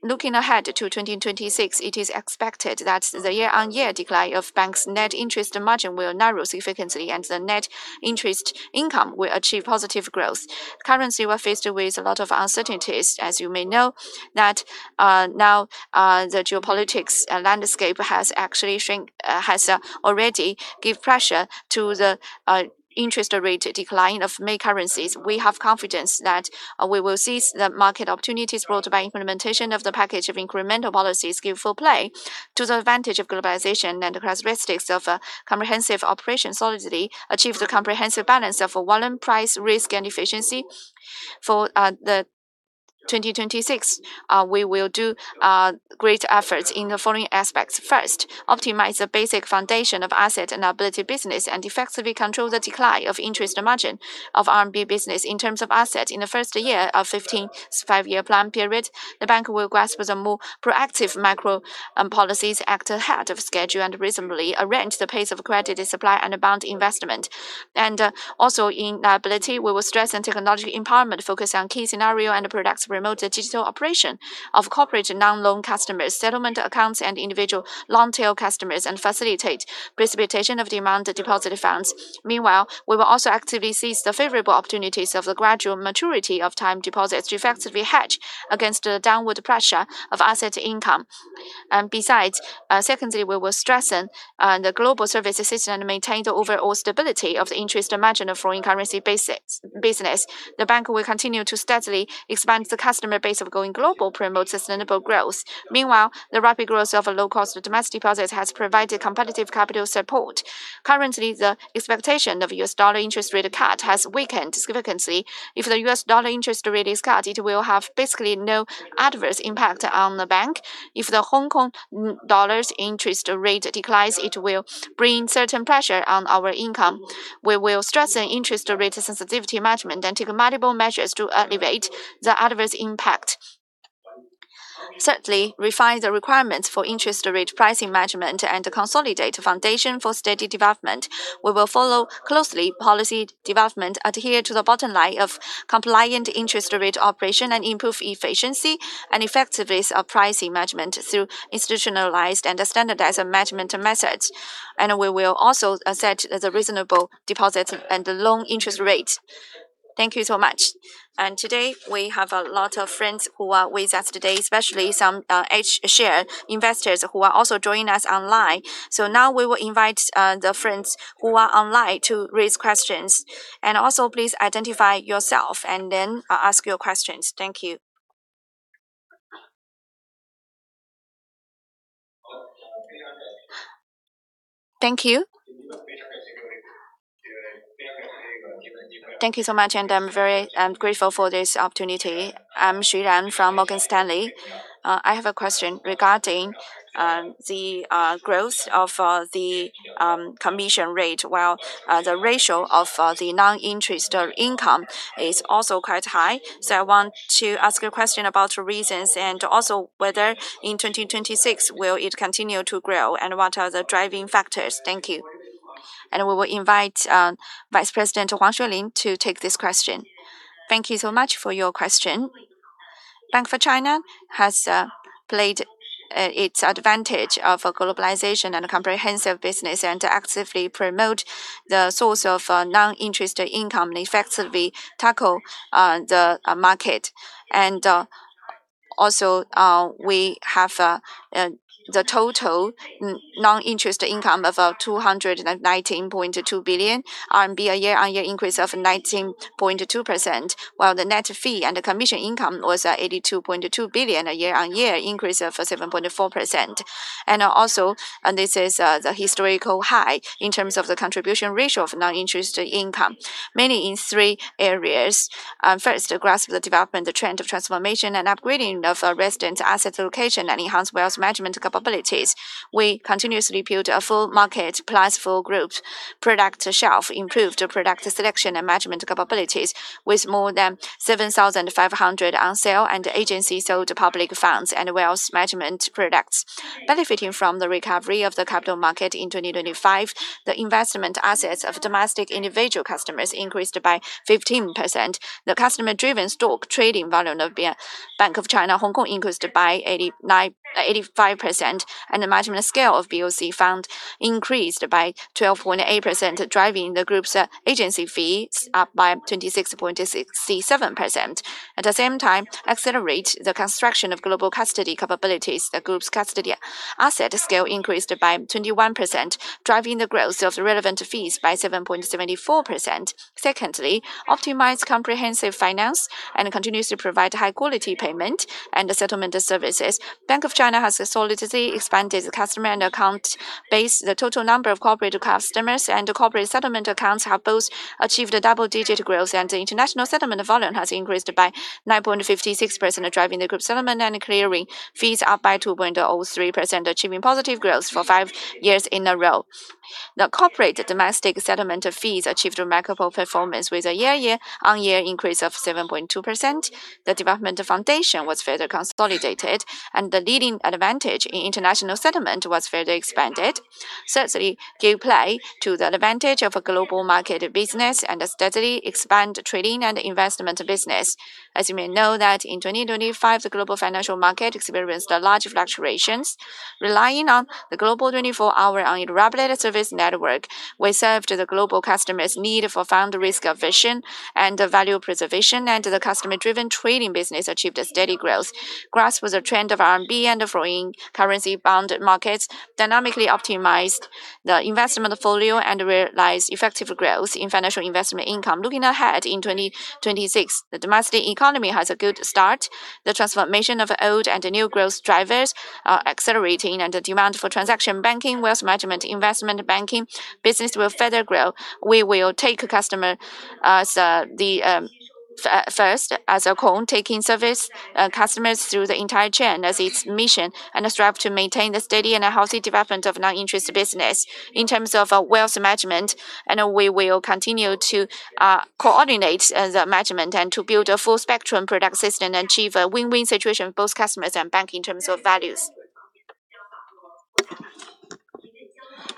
Looking ahead to 2026, it is expected that the year-on-year decline of the bank's net interest margin will narrow significantly and the net interest income will achieve positive growth. Currently, we're faced with a lot of uncertainties. As you may know, now the geopolitical landscape has actually already given pressure to the interest rate decline of many currencies. We have confidence that we will seize the market opportunities brought by implementation of the package of incremental policies, give full play to the advantage of globalization and the characteristics of a comprehensive operation solidity, achieve the comprehensive balance of volume, price, risk and efficiency. For the 2026, we will do great efforts in the following aspects. First, optimize the basic foundation of asset and liability business and effectively control the decline of interest margin of RMB business in terms of asset. In the first year of the 15th Five-Year Plan period, the bank will grasp the more proactive macro policies, act ahead of schedule and reasonably arrange the pace of credit supply and bond investment. Also in liability, we will stress on technology empowerment, focus on key scenario and products, promote the digital operation of corporate non-loan customers, settlement accounts and individual long-tail customers and facilitate precipitation of demand deposit funds. Meanwhile, we will also actively seize the favorable opportunities of the gradual maturity of time deposits to effectively hedge against the downward pressure of asset income. Besides, secondly, we will strengthen the global service system and maintain the overall stability of the interest margin of foreign currency business. The bank will continue to steadily expand the customer base of going global, promote sustainable growth. Meanwhile, the rapid growth of low-cost domestic deposits has provided competitive capital support. Currently, the expectation of U.S. dollar interest rate cut has weakened significantly. If the U.S. dollar interest rate is cut, it will have basically no adverse impact on the bank. If the Hong Kong dollars interest rate declines, it will bring certain pressure on our income. We will strengthen interest rate sensitivity management and take multiple measures to alleviate the adverse impact. Thirdly, refine the requirements for interest rate pricing management and consolidate foundation for steady development. We will follow closely policy development, adhere to the bottom line of compliant interest rate operation, and improve efficiency and effectiveness of pricing management through institutionalized and standardized management methods. We will also set the reasonable deposit and loan interest rate. Thank you so much. Today, we have a lot of friends who are with us today, especially some H-share investors who are also joining us online. Now we will invite the friends who are online to raise questions. Please identify yourself and then ask your questions. Thank you. Thank you. Thank you so much and I'm very grateful for this opportunity. I'm Xu Ran from Morgan Stanley. I have a question regarding the growth of the commission rate, while the ratio of the non-interest income is also quite high. I want to ask you a question about your reasons and also whether in 2026 will it continue to grow and what are the driving factors? Thank you. We will invite Vice President Huang Xueling to take this question. Thank you so much for your question. Bank of China has played its advantage of a globalization and a comprehensive business and to actively promote the source of non-interest income and effectively tackle the market. We have the total non-interest income of 219.2 billion RMB, a year-on-year increase of 19.2%, while the net fee and the commission income was 82.2 billion, a year-on-year increase of 7.4%. This is the historical high in terms of the contribution ratio of non-interest income, mainly in three areas. First, to grasp the development, the trend of transformation and upgrading of resident asset allocation and enhance wealth management capabilities. We continuously build a full market plus full group product shelf, improved product selection and management capabilities with more than 7,500 on sale and agency sold public funds and wealth management products. Benefiting from the recovery of the capital market in 2025, the investment assets of domestic individual customers increased by 15%. The customer-driven stock trading volume of Bank of China (Hong Kong) increased by 85% and the maximum scale of BOC Fund increased by 12.8%, driving the group's agency fees up by 26.67%. At the same time, accelerate the construction of global custody capabilities. The group's custody asset scale increased by 21%, driving the growth of relevant fees by 7.74%. Secondly, optimize comprehensive finance and continues to provide high quality payment and settlement services. Bank of China has solidly expanded customer and account base. The total number of corporate customers and corporate settlement accounts have both achieved a double-digit growth, and the international settlement volume has increased by 9.56%, driving the group settlement and clearing fees up by 2.03%, achieving positive growth for five years in a row. The corporate domestic settlement fees achieved remarkable performance with a year-on-year increase of 7.2%. The development foundation was further consolidated, and the leading advantage in international settlement was further expanded. Thirdly, give play to the advantage of a global market business and steadily expand trading and investment business. As you may know, in 2025, the global financial market experienced large fluctuations. Relying on the global 24-hour uninterrupted service network, we served the global customers' need for fund risk aversion and value preservation, and the customer-driven trading business achieved a steady growth. Grasping the trend of RMB and foreign currency bond markets dynamically optimized the investment portfolio and realized effective growth in financial investment income. Looking ahead in 2026, the domestic economy has a good start. The transformation of old and new growth drivers are accelerating, and the demand for transaction banking, wealth management, investment banking business will further grow. We will take customer as the first as a whole, taking serving customers through the entire chain as its mission and strive to maintain the steady and healthy development of non-interest business. In terms of wealth management, we will continue to coordinate asset management and to build a full spectrum product system and achieve a win-win situation for both customers and bank in terms of values.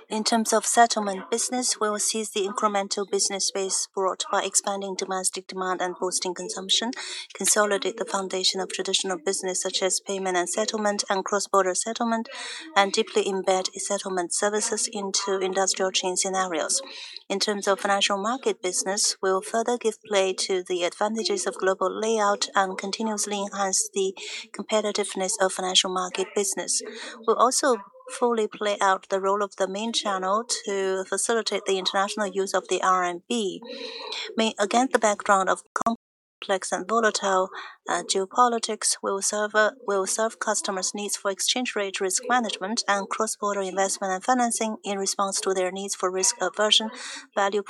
In terms of settlement business, we will seize the incremental business base brought by expanding domestic demand and boosting consumption, consolidate the foundation of traditional business such as payment and settlement and cross-border settlement, and deeply embed e-settlement services into industrial chain scenarios. In terms of financial market business, we will further give play to the advantages of global layout and continuously enhance the competitiveness of financial market business. We'll also fully play out the role of the main channel to facilitate the international use of the RMB. Meanwhile, against the background of complex and volatile geopolitics, we will serve customers' needs for exchange rate risk management and cross-border investment and financing in response to their needs for risk aversion, value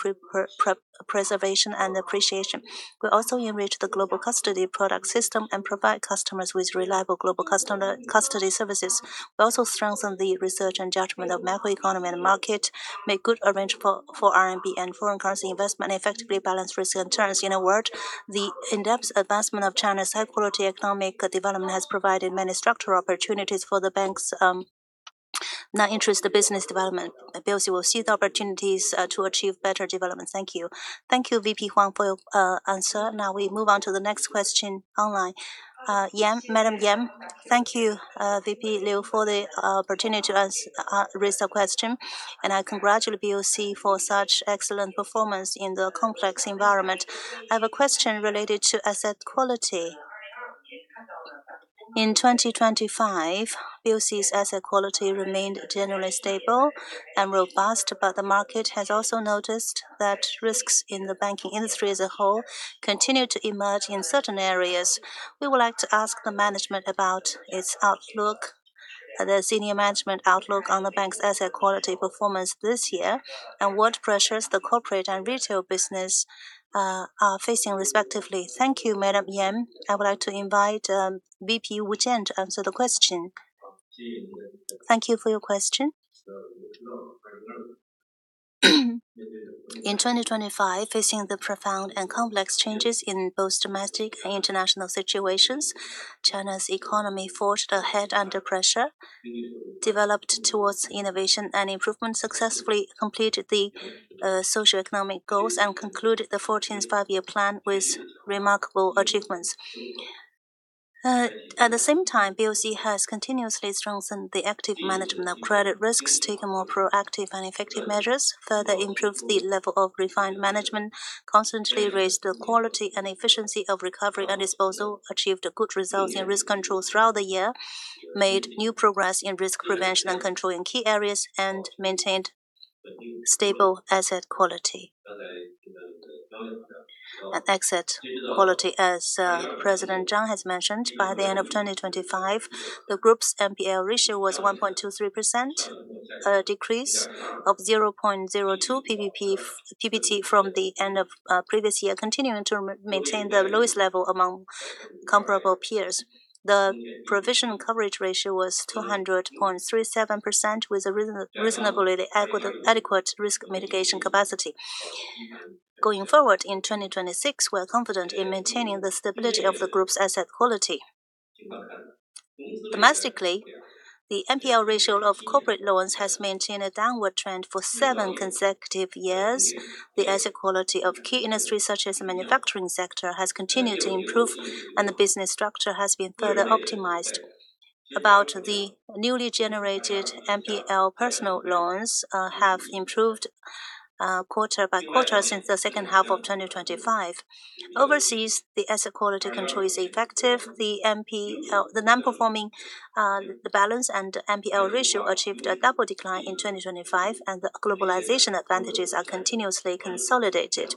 preservation and appreciation. We'll also enrich the global custody product system and provide customers with reliable global customer custody services. We'll also strengthen the research and judgment of macroeconomy and market, make good arrangements for RMB and foreign currency investment, and effectively balance risk and returns. In a word, the in-depth advancement of China's high-quality economic development has provided many structural opportunities for the bank's non-interest business development. BOC will seize the opportunities to achieve better development. Thank you. Thank you, VP Huang, for your answer. Now we move on to the next question online. Yan, Madam Yan. Thank you, VP Liu, for the opportunity to raise a question, and I congratulate BOC for such excellent performance in the complex environment. I have a question related to asset quality. In 2025, BOC's asset quality remained generally stable and robust, but the market has also noticed that risks in the banking industry as a whole continue to emerge in certain areas. We would like to ask the management about its outlook, the senior management outlook on the bank's asset quality performance this year and what pressures the corporate and retail business are facing respectively. Thank you, Madam Yan. I would like to invite VP Wu Jian to answer the question. Thank you for your question. In 2025, facing the profound and complex changes in both domestic and international situations, China's economy forged ahead under pressure, developed towards innovation and improvement, successfully completed the socioeconomic goals, and concluded the 14th Five-Year Plan with remarkable achievements. At the same time, BOC has continuously strengthened the active management of credit risks, taken more proactive and effective measures, further improved the level of refined management, constantly raised the quality and efficiency of recovery and disposal, achieved good results in risk control throughout the year, made new progress in risk prevention and control in key areas, and maintained stable asset quality. Asset quality, as President Zhang has mentioned, by the end of 2025, the group's NPL ratio was 1.23%, a decrease of 0.02 ppt from the end of previous year, continuing to maintain the lowest level among comparable peers. The provision coverage ratio was 200.37% with a reasonably adequate risk mitigation capacity. Going forward in 2026, we are confident in maintaining the stability of the group's asset quality. Domestically, the NPL ratio of corporate loans has maintained a downward trend for seven consecutive years. The asset quality of key industries such as the manufacturing sector has continued to improve and the business structure has been further optimized. About the newly generated NPLs of personal loans, they have improved quarter by quarter since the second half of 2025. Overseas, the asset quality control is effective. The NPL, the non-performing balance and NPL ratio achieved a double decline in 2025, and the globalization advantages are continuously consolidated.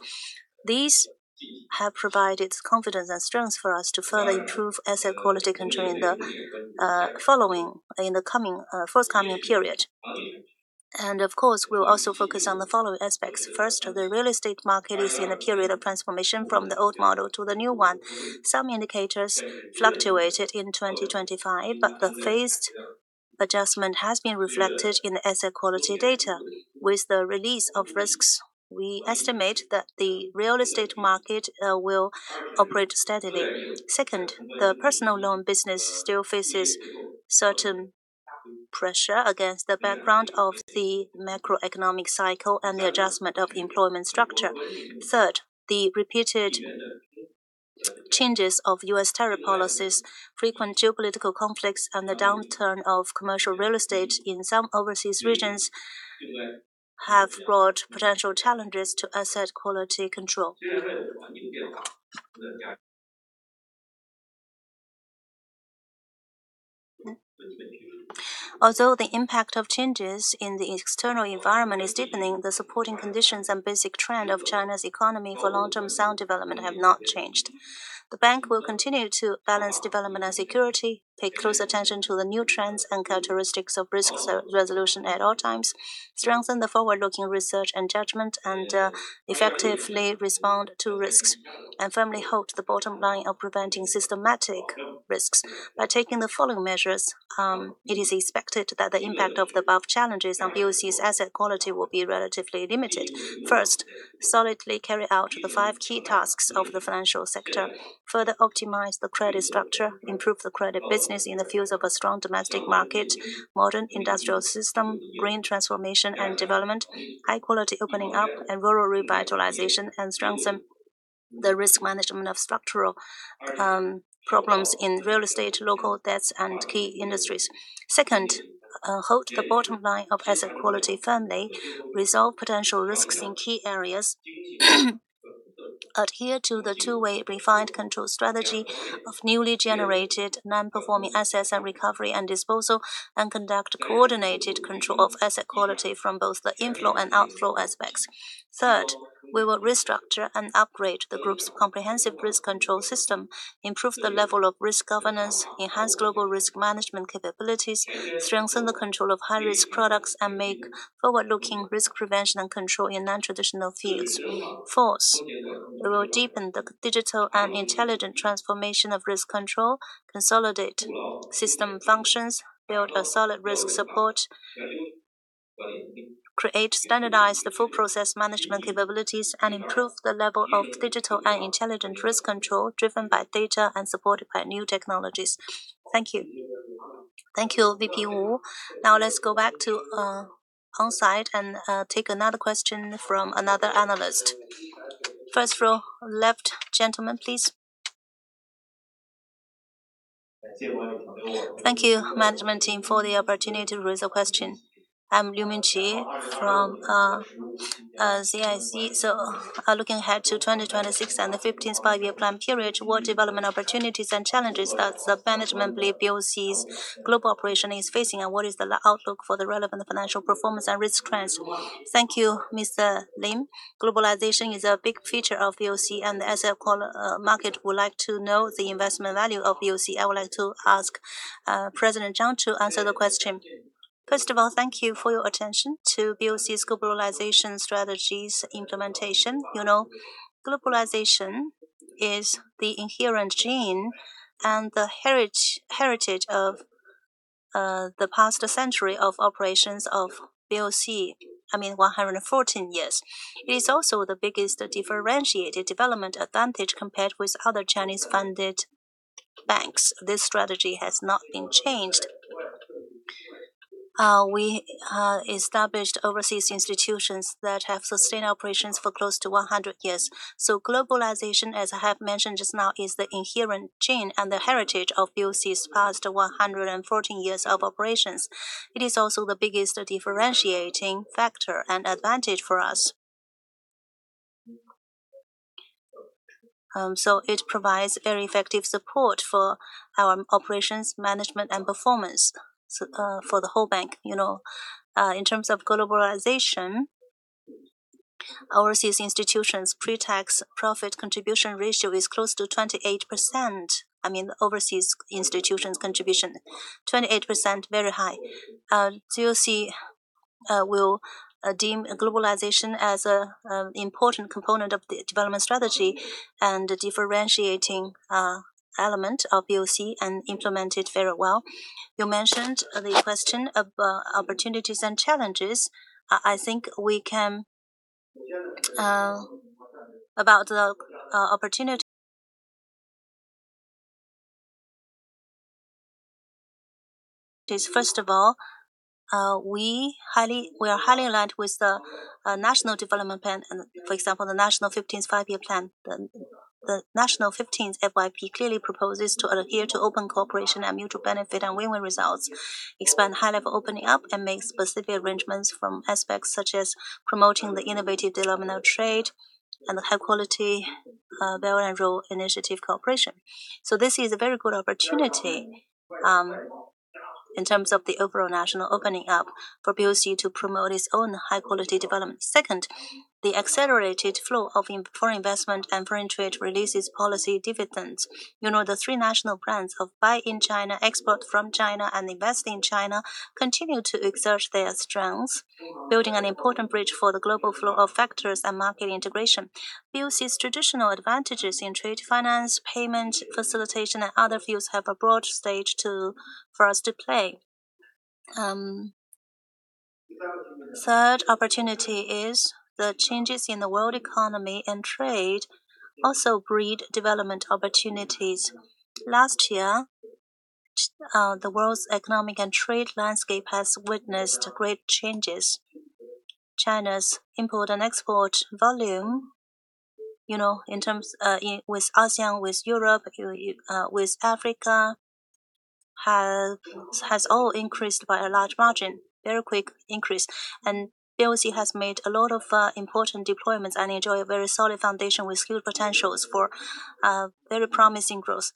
These have provided confidence and strength for us to further improve asset quality control in the forthcoming period. Of course, we'll also focus on the following aspects. First, the real estate market is in a period of transformation from the old model to the new one. Some indicators fluctuated in 2025, but the phased adjustment has been reflected in the asset quality data. With the release of risks, we estimate that the real estate market will operate steadily. Second, the personal loan business still faces certain pressure against the background of the macroeconomic cycle and the adjustment of employment structure. Third, the repeated changes of U.S. tariff policies, frequent geopolitical conflicts, and the downturn of commercial real estate in some overseas regions have brought potential challenges to asset quality control. Although the impact of changes in the external environment is deepening, the supporting conditions and basic trend of China's economy for long-term sound development have not changed. The bank will continue to balance development and security, pay close attention to the new trends and characteristics of risk resolution at all times, strengthen the forward-looking research and judgment, and effectively respond to risks, and firmly hold the bottom line of preventing systematic risks. By taking the following measures, it is expected that the impact of the above challenges on BOC's asset quality will be relatively limited. First, solidly carry out the five key tasks of the financial sector. Further optimize the credit structure, improve the credit business in the fields of a strong domestic market, modern industrial system, green transformation and development, high quality opening up, and rural revitalization, and strengthen the risk management of structural problems in real estate, local debts, and key industries. Second, hold the bottom line of asset quality firmly. Resolve potential risks in key areas. Adhere to the two-way refined control strategy of newly generated non-performing assets and recovery and disposal, and conduct coordinated control of asset quality from both the inflow and outflow aspects. Third, we will restructure and upgrade the group's comprehensive risk control system, improve the level of risk governance, enhance global risk management capabilities, strengthen the control of high-risk products, and make forward-looking risk prevention and control in non-traditional fields. Fourth, we will deepen the digital and intelligent transformation of risk control, consolidate system functions, build a solid risk support, create standardized and full process management capabilities, and improve the level of digital and intelligent risk control driven by data and supported by new technologies. Thank you. Thank you, VP Wu. Now let's go back to onsite and take another question from another analyst. First row left, gentleman, please. Thank you, management team, for the opportunity to raise a question. I'm Liu Minqi from CICC. So looking ahead to 2026 and the 15th Five-Year Plan period, what development opportunities and challenges does the management believe BOC's global operation is facing, and what is the outlook for the relevant financial performance and risk trends? Thank you, Mr. Liu. Globalization is a big feature of BOC, and as our market would like to know the investment value of BOC, I would like to ask President Zhang to answer the question. First of all, thank you for your attention to BOC's globalization strategies implementation. You know, globalization is the inherent gene and the heritage of the past century of operations of BOC, I mean, 114 years. It is also the biggest differentiated development advantage compared with other Chinese-funded banks. This strategy has not been changed. We established overseas institutions that have sustained operations for close to 100 years. Globalization, as I have mentioned just now, is the inherent gene and the heritage of BOC's past 114 years of operations. It is also the biggest differentiating factor and advantage for us. It provides very effective support for our operations, management, and performance, for the whole bank, you know. In terms of globalization, overseas institutions pre-tax profit contribution ratio is close to 28%. I mean, overseas institutions contribution, 28%, very high. BOC will deem globalization as a important component of the development strategy and a differentiating element of BOC and implement it very well. You mentioned the question of opportunities and challenges. I think we can about the opportunities first of all, we are highly aligned with the national development plan and for example, the national 15th Five-Year Plan. The national 15th FYP clearly proposes to adhere to open cooperation and mutual benefit and win-win results. Expand high-level opening up and make specific arrangements from aspects such as promoting the innovative developmental trade and the high quality Belt and Road Initiative cooperation. This is a very good opportunity in terms of the overall national opening up for BOC to promote its own high quality development. Second, the accelerated flow of foreign investment and foreign trade releases policy dividends. You know, the three national brands of Buy in China, Export from China and Invest in China continue to exert their strengths, building an important bridge for the global flow of factors and market integration. BOC's traditional advantages in trade, finance, payment, facilitation and other fields have a broad stage for us to play. Third opportunity is the changes in the world economy and trade also breed development opportunities. Last year, the world's economic and trade landscape has witnessed great changes. China's import and export volume, you know, in terms with ASEAN, with Europe, with Africa, has all increased by a large margin, very quick increase. BOC has made a lot of important deployments and enjoy a very solid foundation with good potentials for very promising growth.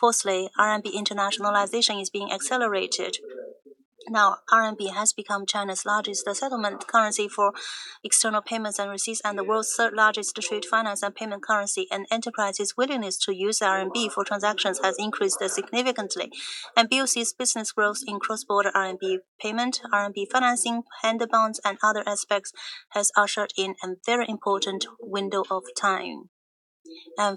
Fourthly, RMB internationalization is being accelerated. Now, RMB has become China's largest settlement currency for external payments and receipts, and the world's third largest trade, finance and payment currency. Enterprises' willingness to use RMB for transactions has increased significantly. BOC's business growth in cross-border RMB payment, RMB financing and bonds and other aspects has ushered in a very important window of time.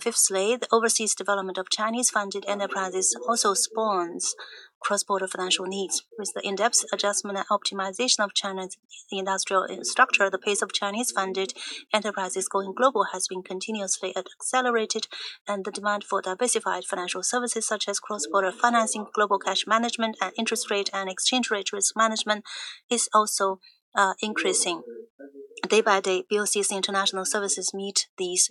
Fifthly, the overseas development of Chinese-funded enterprises also spawns cross-border financial needs. With the in-depth adjustment and optimization of China's industrial structure, the pace of Chinese-funded enterprises going global has been continuously accelerated. The demand for diversified financial services such as cross-border financing, global cash management and interest rate and exchange rate risk management is also increasing. Day by day, BOC's international services meet these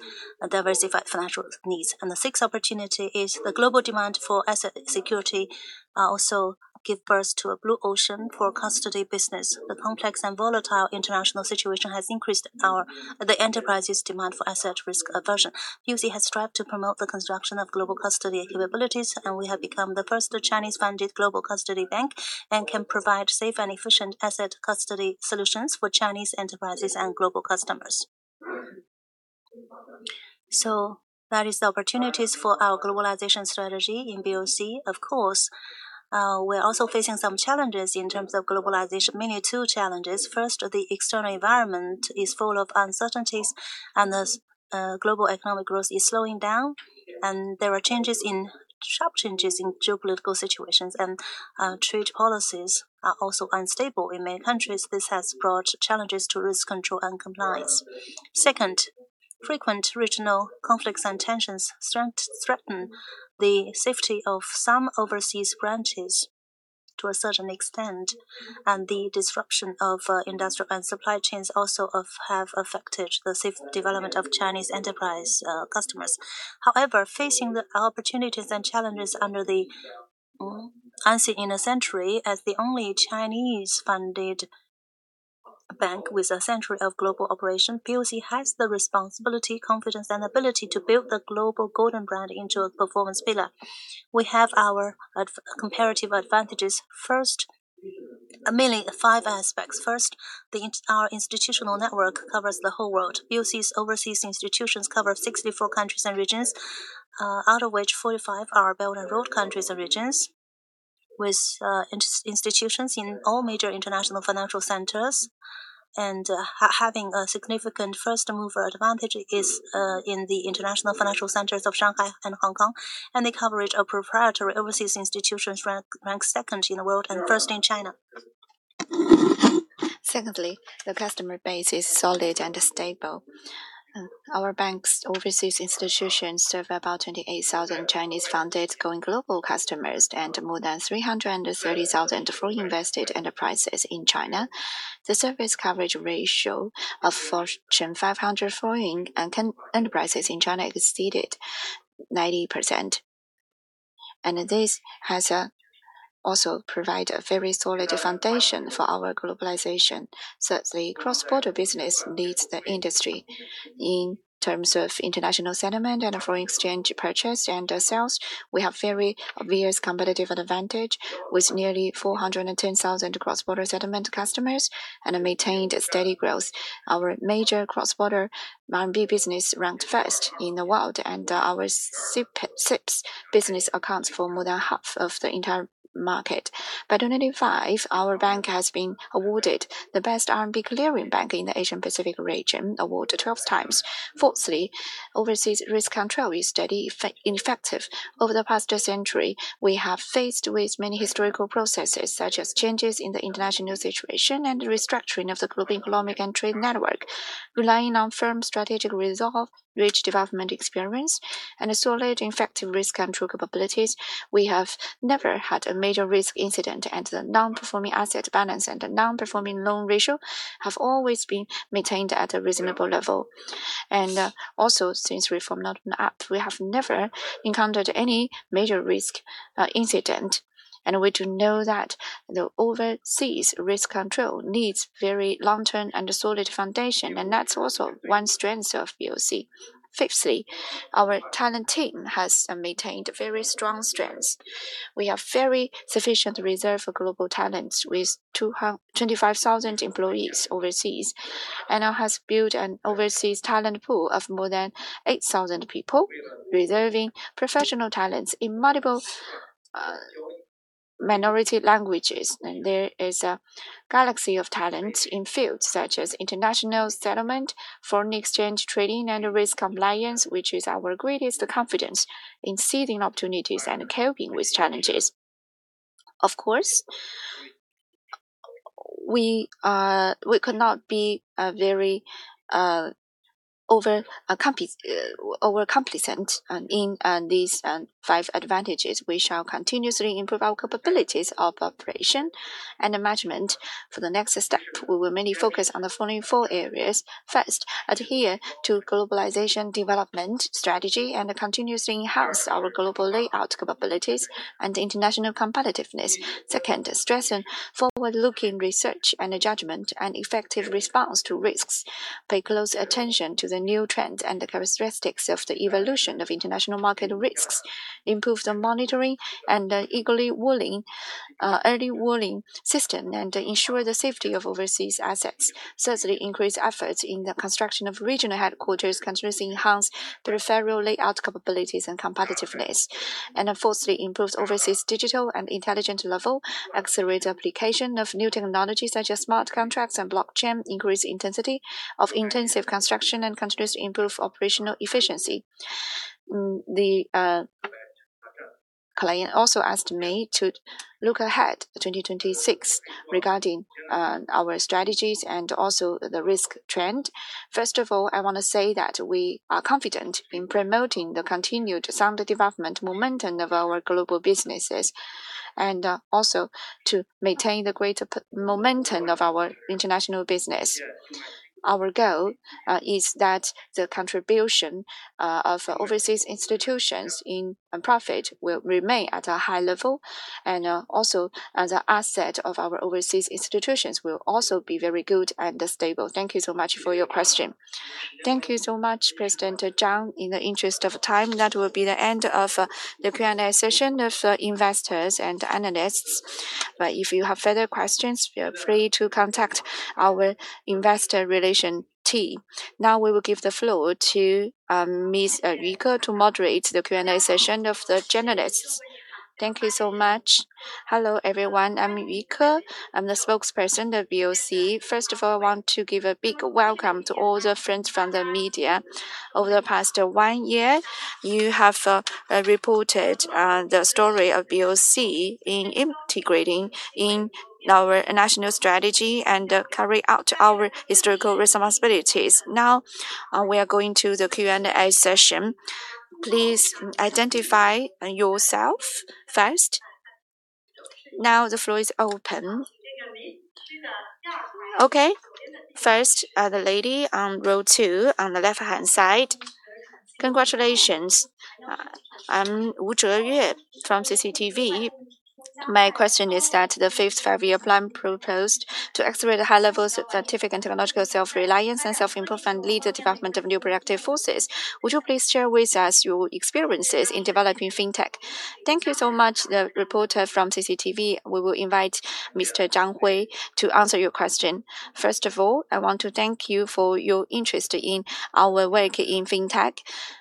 diversified financial needs. The sixth opportunity is the global demand for asset security also give birth to a blue ocean for custody business. The complex and volatile international situation has increased the enterprise's demand for asset risk aversion. BOC has strived to promote the construction of global custody capabilities, and we have become the first Chinese-funded global custody bank and can provide safe and efficient asset custody solutions for Chinese enterprises and global customers. That is the opportunities for our globalization strategy in BOC. Of course, we're also facing some challenges in terms of globalization. Mainly two challenges. First, the external environment is full of uncertainties and global economic growth is slowing down and there are sharp changes in geopolitical situations and trade policies are also unstable in many countries. This has brought challenges to risk control and compliance. Second, frequent regional conflicts and tensions threaten the safety of some overseas branches to a certain extent, and the disruption of industrial and supply chains have affected the safe development of Chinese enterprise customers. However, facing the opportunities and challenges under the unseen in a century as the only Chinese-funded bank with a century of global operation, BOC has the responsibility, confidence and ability to build the global golden brand into a performance pillar. We have our comparative advantages. First, mainly five aspects. First, our institutional network covers the whole world. BOC's overseas institutions cover 64 countries and regions, out of which 45 are Belt and Road countries and regions with institutions in all major international financial centers. Having a significant first-mover advantage in the international financial centers of Shanghai and Hong Kong. The coverage of proprietary overseas institutions ranks second in the world and first in China. Secondly, the customer base is solid and stable. Our bank's overseas institutions serve about 28,000 Chinese-funded, going global customers and more than 330,000 foreign-invested enterprises in China. The service coverage ratio of Fortune 500 foreign enterprises in China exceeded 90%. This has also provide a very solid foundation for our globalization. Thirdly, cross-border business leads the industry. In terms of international settlement and foreign exchange purchase and sales, we have very obvious competitive advantage with nearly 410,000 cross-border settlement customers and maintained steady growth. Our major cross-border RMB business ranked first in the world, and our CIPS business accounts for more than half of the entire market. By 1995, our bank has been awarded the best RMB clearing bank in the Asian Pacific region, awarded 12 times. Fourthly, overseas risk control is steady effective. Over the past century, we have faced with many historical processes, such as changes in the international situation and restructuring of the global economic and trade network. Relying on firm strategic resolve, rich development experience, and a solid effective risk control capabilities, we have never had a major risk incident, and the non-performing asset balance and the non-performing loan ratio have always been maintained at a reasonable level. Also, since reform opened up, we have never encountered any major risk incident. We do know that the overseas risk control needs very long-term and solid foundation, and that's also one strength of BOC. Fifthly, our talent team has maintained very strong strengths. We have very sufficient reserve for global talents with 25,000 employees overseas, and now has built an overseas talent pool of more than 8,000 people, reserving professional talents in multiple minority languages. There is a galaxy of talents in fields such as international settlement, foreign exchange trading, and risk compliance, which is our greatest confidence in seizing opportunities and coping with challenges. Of course, we could not be very overaccomplacent in these five advantages. We shall continuously improve our capabilities of operation and management. For the next step, we will mainly focus on the following four areas. First, adhere to globalization development strategy and continuously enhance our global layout capabilities and international competitiveness. Second, strengthen forward-looking research and judgment and effective response to risks. Pay close attention to the new trend and the characteristics of the evolution of international market risks. Improve the monitoring and early warning system and ensure the safety of overseas assets. Thirdly, increase efforts in the construction of regional headquarters, continuously enhance the referral layout capabilities and competitiveness. Fourthly, improve overseas digital and intelligence level, accelerate application of new technologies such as smart contracts and blockchain, increase intensity of intensive construction, and continuously improve operational efficiency. The client also asked me to look ahead to 2026 regarding our strategies and also the risk trend. First of all, I wanna say that we are confident in promoting the continued sound development momentum of our global businesses and also to maintain the greater momentum of our international business. Our goal is that the contribution of overseas institutions in profit will remain at a high level and also the asset of our overseas institutions will also be very good and stable. Thank you so much for your question. Thank you so much, President Zhang. In the interest of time, that will be the end of the Q&A session of investors and analysts. If you have further questions, feel free to contact our investor relations team. Now, we will give the floor to Ms. Yu Ke to moderate the Q&A session of the journalists. Thank you so much. Hello, everyone. I'm Yu Ke. I'm the spokesperson of BOC. First of all, I want to give a big welcome to all the friends from the media. Over the past one year, you have reported the story of BOC in integrating into our national strategy and carry out our historical responsibilities. Now, we are going to the Q&A session. Please identify yourself first. Now, the floor is open. Okay. First, the lady on row two on the left-hand side. Congratulations. I'm Wu Zheyue from CCTV. My question is that the 14th Five-Year Plan proposed to accelerate high levels of scientific and technological self-reliance and self-improvement, lead the development of new productive forces. Would you please share with us your experiences in developing fintech? Thank you so much, the reporter from CCTV. We will invite Mr. Zhang Hui to answer your question. First of all, I want to thank you for your interest in our work in fintech.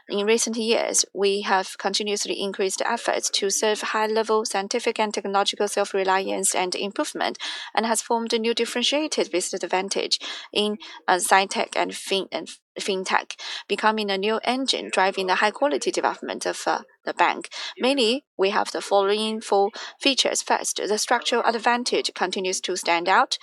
In recent years, we have continuously increased efforts to serve high-level scientific and technological self-reliance and improvement, and has formed a new differentiated business advantage in sci-tech and fintech, becoming a new engine driving the high-quality development of the bank. Mainly, we have the following four features. First, the structural advantage continues to stand out.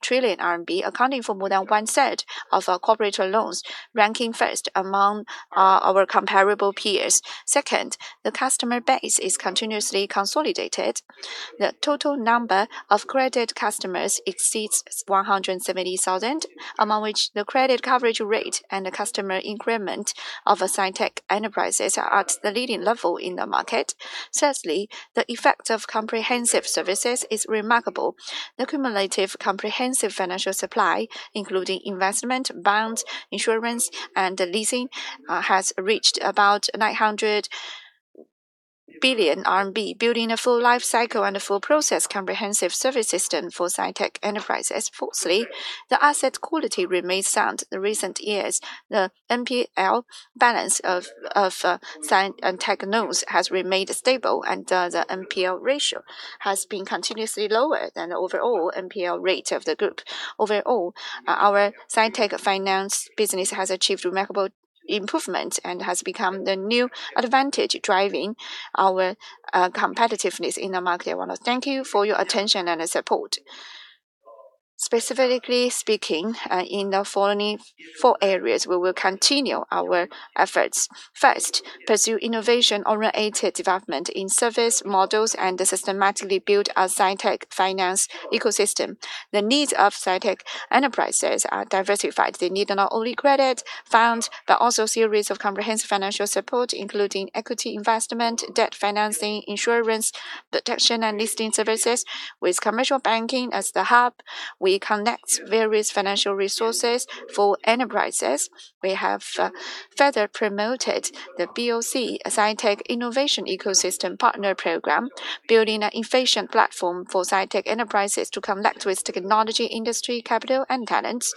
By the end of 2025, the balance of Bank of China's sci-tech loans exceeded RMB 4.8 trillion, accounting for more than one-third of our corporate loans, ranking first among our comparable peers. Second, the customer base is continuously consolidated. The total number of credit customers exceeds 170,000, among which the credit coverage rate and the customer increment of sci-tech enterprises are at the leading level in the market. Thirdly, the effect of comprehensive services is remarkable. The cumulative comprehensive financial supply, including investment, bonds, insurance, and leasing, has reached about 900 billion RMB, building a full life cycle and a full process comprehensive service system for sci-tech enterprises. Fourthly, the asset quality remains sound. In recent years, the NPL balance of sci-tech loans has remained stable and the NPL ratio has been continuously lower than overall NPL rate of the group. Overall, our sci-tech finance business has achieved remarkable improvement and has become the new advantage driving our competitiveness in the market. I wanna thank you for your attention and support. Specifically speaking, in the following four areas, we will continue our efforts. First, pursue innovation-oriented development in service models and systematically build our sci-tech finance ecosystem. The needs of sci-tech enterprises are diversified. They need not only credit, funds, but also series of comprehensive financial support, including equity investment, debt financing, insurance protection, and listing services. With commercial banking as the hub, we connect various financial resources for enterprises. We have further promoted the BOC Sci-Tech Innovation Ecosystem Partner Program, building an efficient platform for sci-tech enterprises to connect with technology, industry, capital, and talents.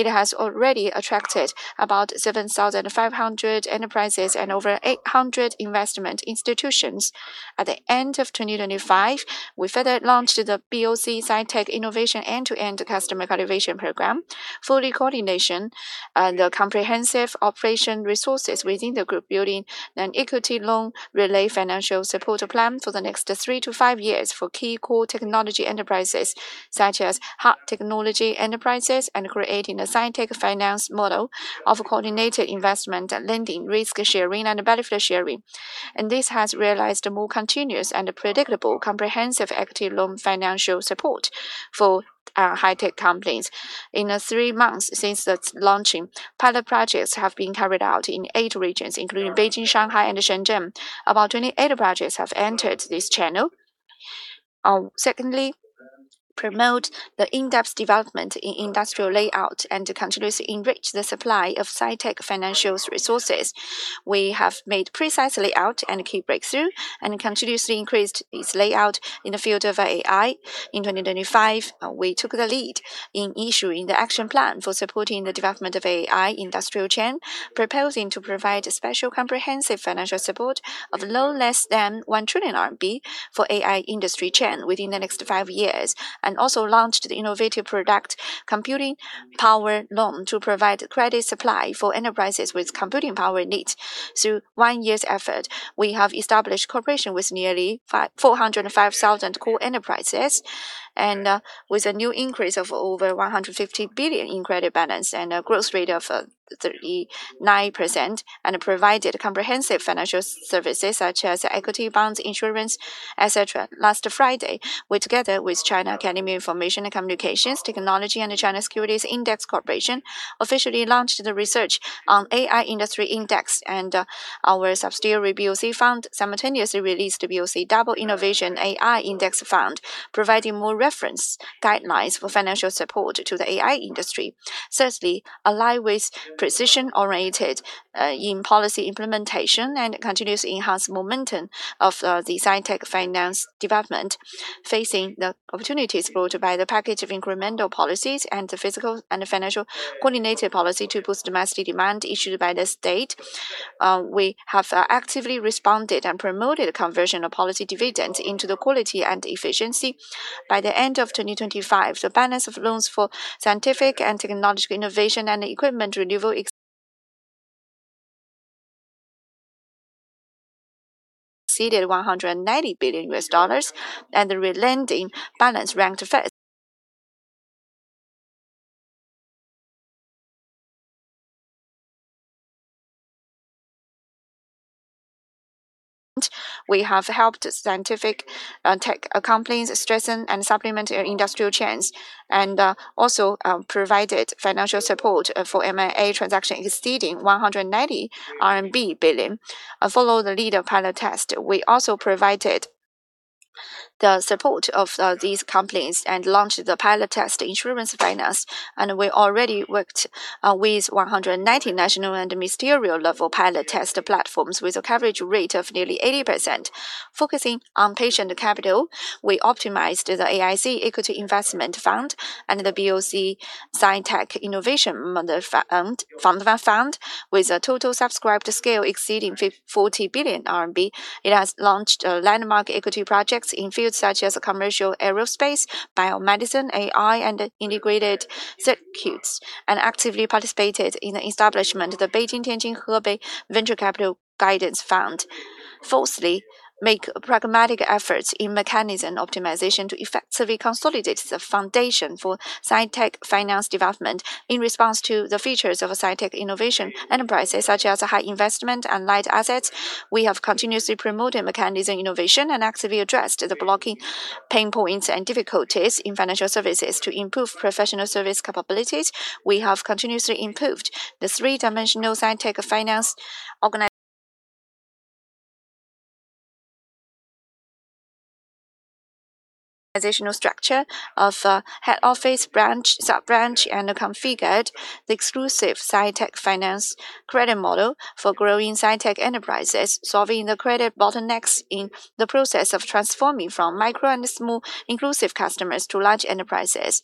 It has already attracted about 7,500 enterprises and over 800 investment institutions. At the end of 2025, we further launched the BOC Sci-Tech Innovation End-to-End Customer Cultivation Program, fully coordinating the comprehensive operation resources within the group, building an equity loan relay financial support plan for the next three to five years for key core technology enterprises, such as hard technology enterprises and creating a sci-tech finance model of coordinated investment, lending, risk-sharing, and benefit-sharing. This has realized a more continuous and predictable comprehensive equity loan financial support for high-tech companies. In the three months since its launching, pilot projects have been carried out in eight regions, including Beijing, Shanghai, and Shenzhen. About 28 projects have entered this channel. Secondly, promote the in-depth development in industrial layout and continuously enrich the supply of sci-tech financial resources. We have made precise layout and key breakthrough and continuously increased its layout in the field of AI. In 2025, we took the lead in issuing the action plan for supporting the development of AI industrial chain, proposing to provide a special comprehensive financial support of loan less than 1 trillion RMB for AI industry chain within the next five years and also launched the innovative product, Computing Power Loan, to provide credit supply for enterprises with computing power needs. Through one year's effort, we have established cooperation with nearly 405,000 core enterprises and with a new increase of over 150 billion in credit balance and a growth rate of 90% and provided comprehensive financial services such as equity, bonds, insurance, et cetera. Last Friday, we together with China Academy of Information and Communications Technology and the China Securities Index Company officially launched the research on AI industry index and our subsidiary, BOC Fund, simultaneously released the BOC Double Innovation AI Index Fund, providing more reference guidelines for financial support to the AI industry. Thirdly, align with precision-oriented in policy implementation and continuously enhance momentum of the sci-tech finance development. Facing the opportunities brought by the package of incremental policies and the physical and financial coordinated policy to boost domestic demand issued by the state, we have actively responded and promoted conversion of policy dividends into the quality and efficiency. By the end of 2025, the balance of loans for scientific and technological innovation and equipment renewal exceeded $190 billion, and the re-lending balance ranked first. We have helped scientific tech companies strengthen and supplement their industrial chains and also provided financial support for M&A transaction exceeding 190 billion RMB. Follow the leader pilot test. We also provided the support of these companies and launched the pilot test insurance finance, and we already worked with 190 national and ministerial-level pilot test platforms with a coverage rate of nearly 80%. Focusing on patient capital, we optimized the AIC Equity Investment Fund and the BOC Sci-Tech Innovation Fund. With a total subscribed scale exceeding 40 billion RMB, it has launched landmark equity projects in fields such as commercial aerospace, biomedicine, AI, and integrated circuits, and actively participated in the establishment of the Beijing-Tianjin-Hebei Venture Capital Guidance Fund. Fourthly, make pragmatic efforts in mechanism optimization to effectively consolidate the foundation for sci-tech finance development. In response to the features of sci-tech innovation enterprises such as high investment and light assets, we have continuously promoted mechanism innovation and actively addressed the blocking pain points and difficulties in financial services. To improve professional service capabilities, we have continuously improved the three-dimensional sci-tech finance organizational structure of head office, branch, sub-branch, and configured the exclusive sci-tech finance credit model for growing sci-tech enterprises, solving the credit bottlenecks in the process of transforming from micro and small inclusive customers to large enterprises.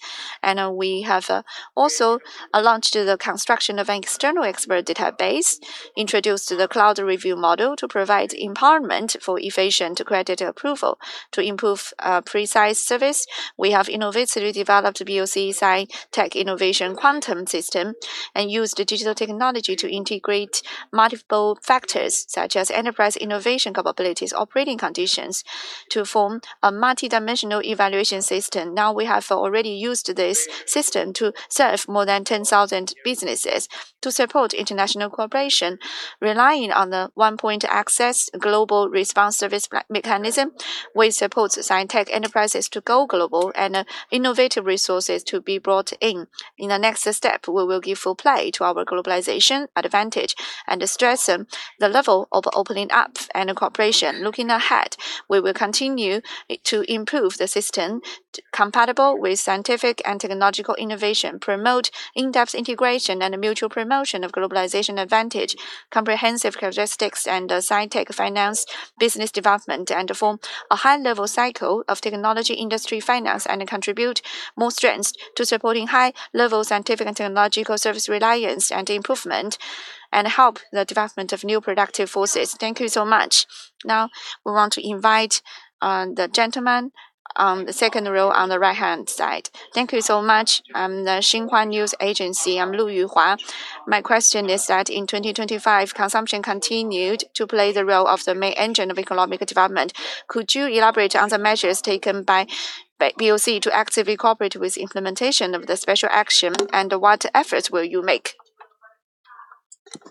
We have also launched the construction of an external expert database, introduced the cloud review model to provide empowerment for efficient credit approval. To improve precise service, we have innovatively developed BOC Sci-Tech Innovation Quantum System and used digital technology to integrate multiple factors such as enterprise innovation capabilities, operating conditions, to form a multidimensional evaluation system. Now, we have already used this system to serve more than 10,000 businesses. To support international cooperation, relying on the one-point access global response service mechanism, we support sci-tech enterprises to go global and innovative resources to be brought in. In the next step, we will give full play to our globalization advantage and strengthen the level of opening up and cooperation. Looking ahead, we will continue to improve the system compatible with scientific and technological innovation, promote in-depth integration and mutual promotion of globalization advantage, comprehensive characteristics and sci-tech finance business development, and form a high-level cycle of technology, industry, finance and contribute more strengths to supporting high-level scientific and technological service reliance and improvement and help the development of new productive forces. Thank you so much. Now, we want to invite, the gentleman on the second row on the right-hand side. Thank you so much. I'm the Xinhua News Agency. I'm Lu Yuhua. My question is that in 2025, consumption continued to play the role of the main engine of economic development. Could you elaborate on the measures taken by BOC to actively cooperate with implementation of the special action, and what efforts will you make?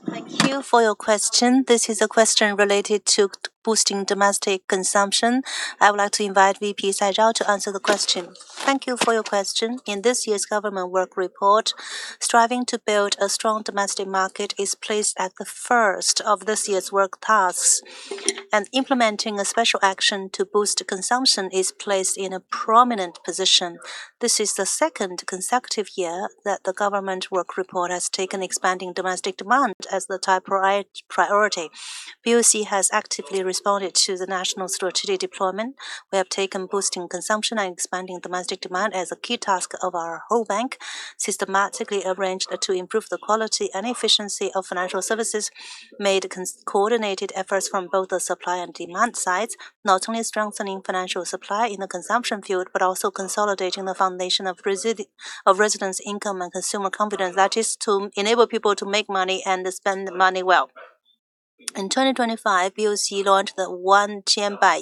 Thank you for your question. This is a question related to boosting domestic consumption. I would like to invite VP Cai Zhao to answer the question. Thank you for your question. In this year's government work report, striving to build a strong domestic market is placed as the first of this year's work tasks, and implementing a special action to boost consumption is placed in a prominent position. This is the second consecutive year that the government work report has taken expanding domestic demand as the top priority. BOC has actively responded to the national strategic deployment. We have taken boosting consumption and expanding domestic demand as a key task of our whole bank, systematically arranged to improve the quality and efficiency of financial services, made coordinated efforts from both the supply and demand sides, not only strengthening financial supply in the consumption field, but also consolidating the foundation of residents' income and consumer confidence. That is to enable people to make money and spend money well. In 2025, BOC launched the Wan Qian Bai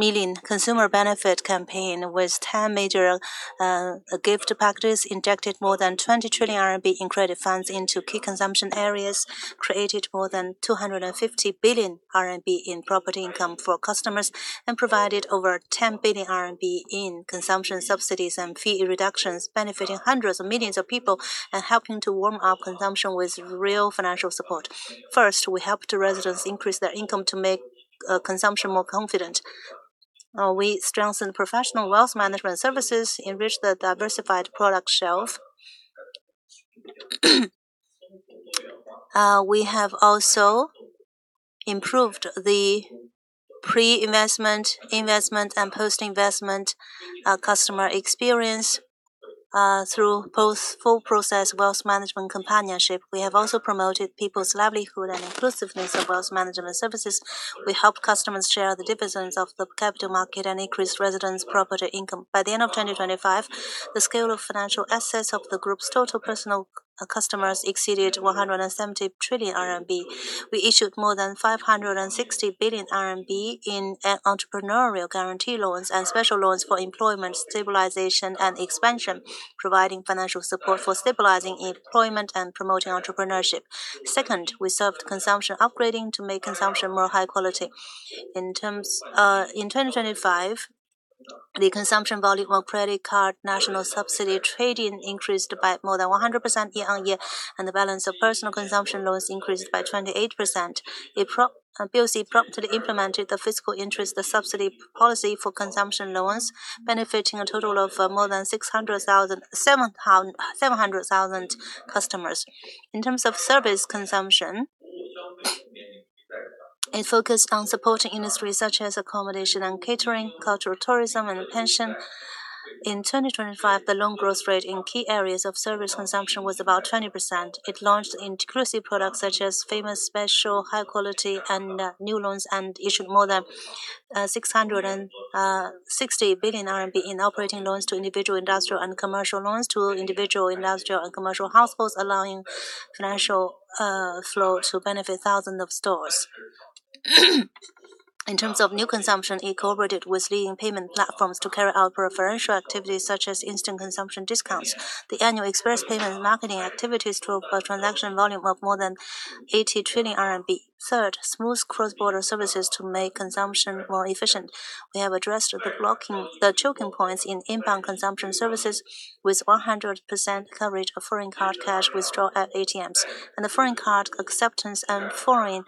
Yi consumer benefit campaign with 10 major gift packages, injected more than 20 trillion RMB in credit funds into key consumption areas, created more than 250 billion RMB in property income for customers, and provided over 10 billion RMB in consumption subsidies and fee reductions, benefiting hundreds of millions of people and helping to warm up consumption with real financial support. First, we helped residents increase their income to make consumption more confident. We strengthened professional wealth management services, enriched the diversified product shelf. We have also improved the pre-investment, investment, and post-investment customer experience through both full process wealth management companionship. We have also promoted people's livelihood and inclusiveness of wealth management services. We helped customers share the dividends of the capital market and increased residents' property income. By the end of 2025, the scale of financial assets of the group's total personal customers exceeded 170 trillion RMB. We issued more than 560 billion RMB in entrepreneurial guarantee loans and special loans for employment stabilization and expansion, providing financial support for stabilizing employment and promoting entrepreneurship. Second, we served consumption upgrading to make consumption more high quality. In 2025, the consumption volume of credit card national subsidy trading increased by more than 100% year-on-year, and the balance of personal consumption loans increased by 28%. BOC promptly implemented the fiscal interest subsidy policy for consumption loans, benefiting a total of more than 700,000 customers. In terms of service consumption, it focused on supporting industries such as accommodation and catering, cultural tourism, and pension. In 2025, the loan growth rate in key areas of service consumption was about 20%. It launched inclusive products such as famous, special, high quality, and new loans, and issued more than 660 billion RMB in operating loans to individual industrial and commercial households, allowing financial flow to benefit thousands of stores. In terms of new consumption, it cooperated with leading payment platforms to carry out preferential activities such as instant consumption discounts. The annual express payment marketing activities drove a transaction volume of more than 80 trillion RMB. Third, smooth cross-border services to make consumption more efficient. We have addressed the choking points in inbound consumption services with 100% coverage of foreign card cash withdrawal at ATMs. The foreign card acceptance and foreign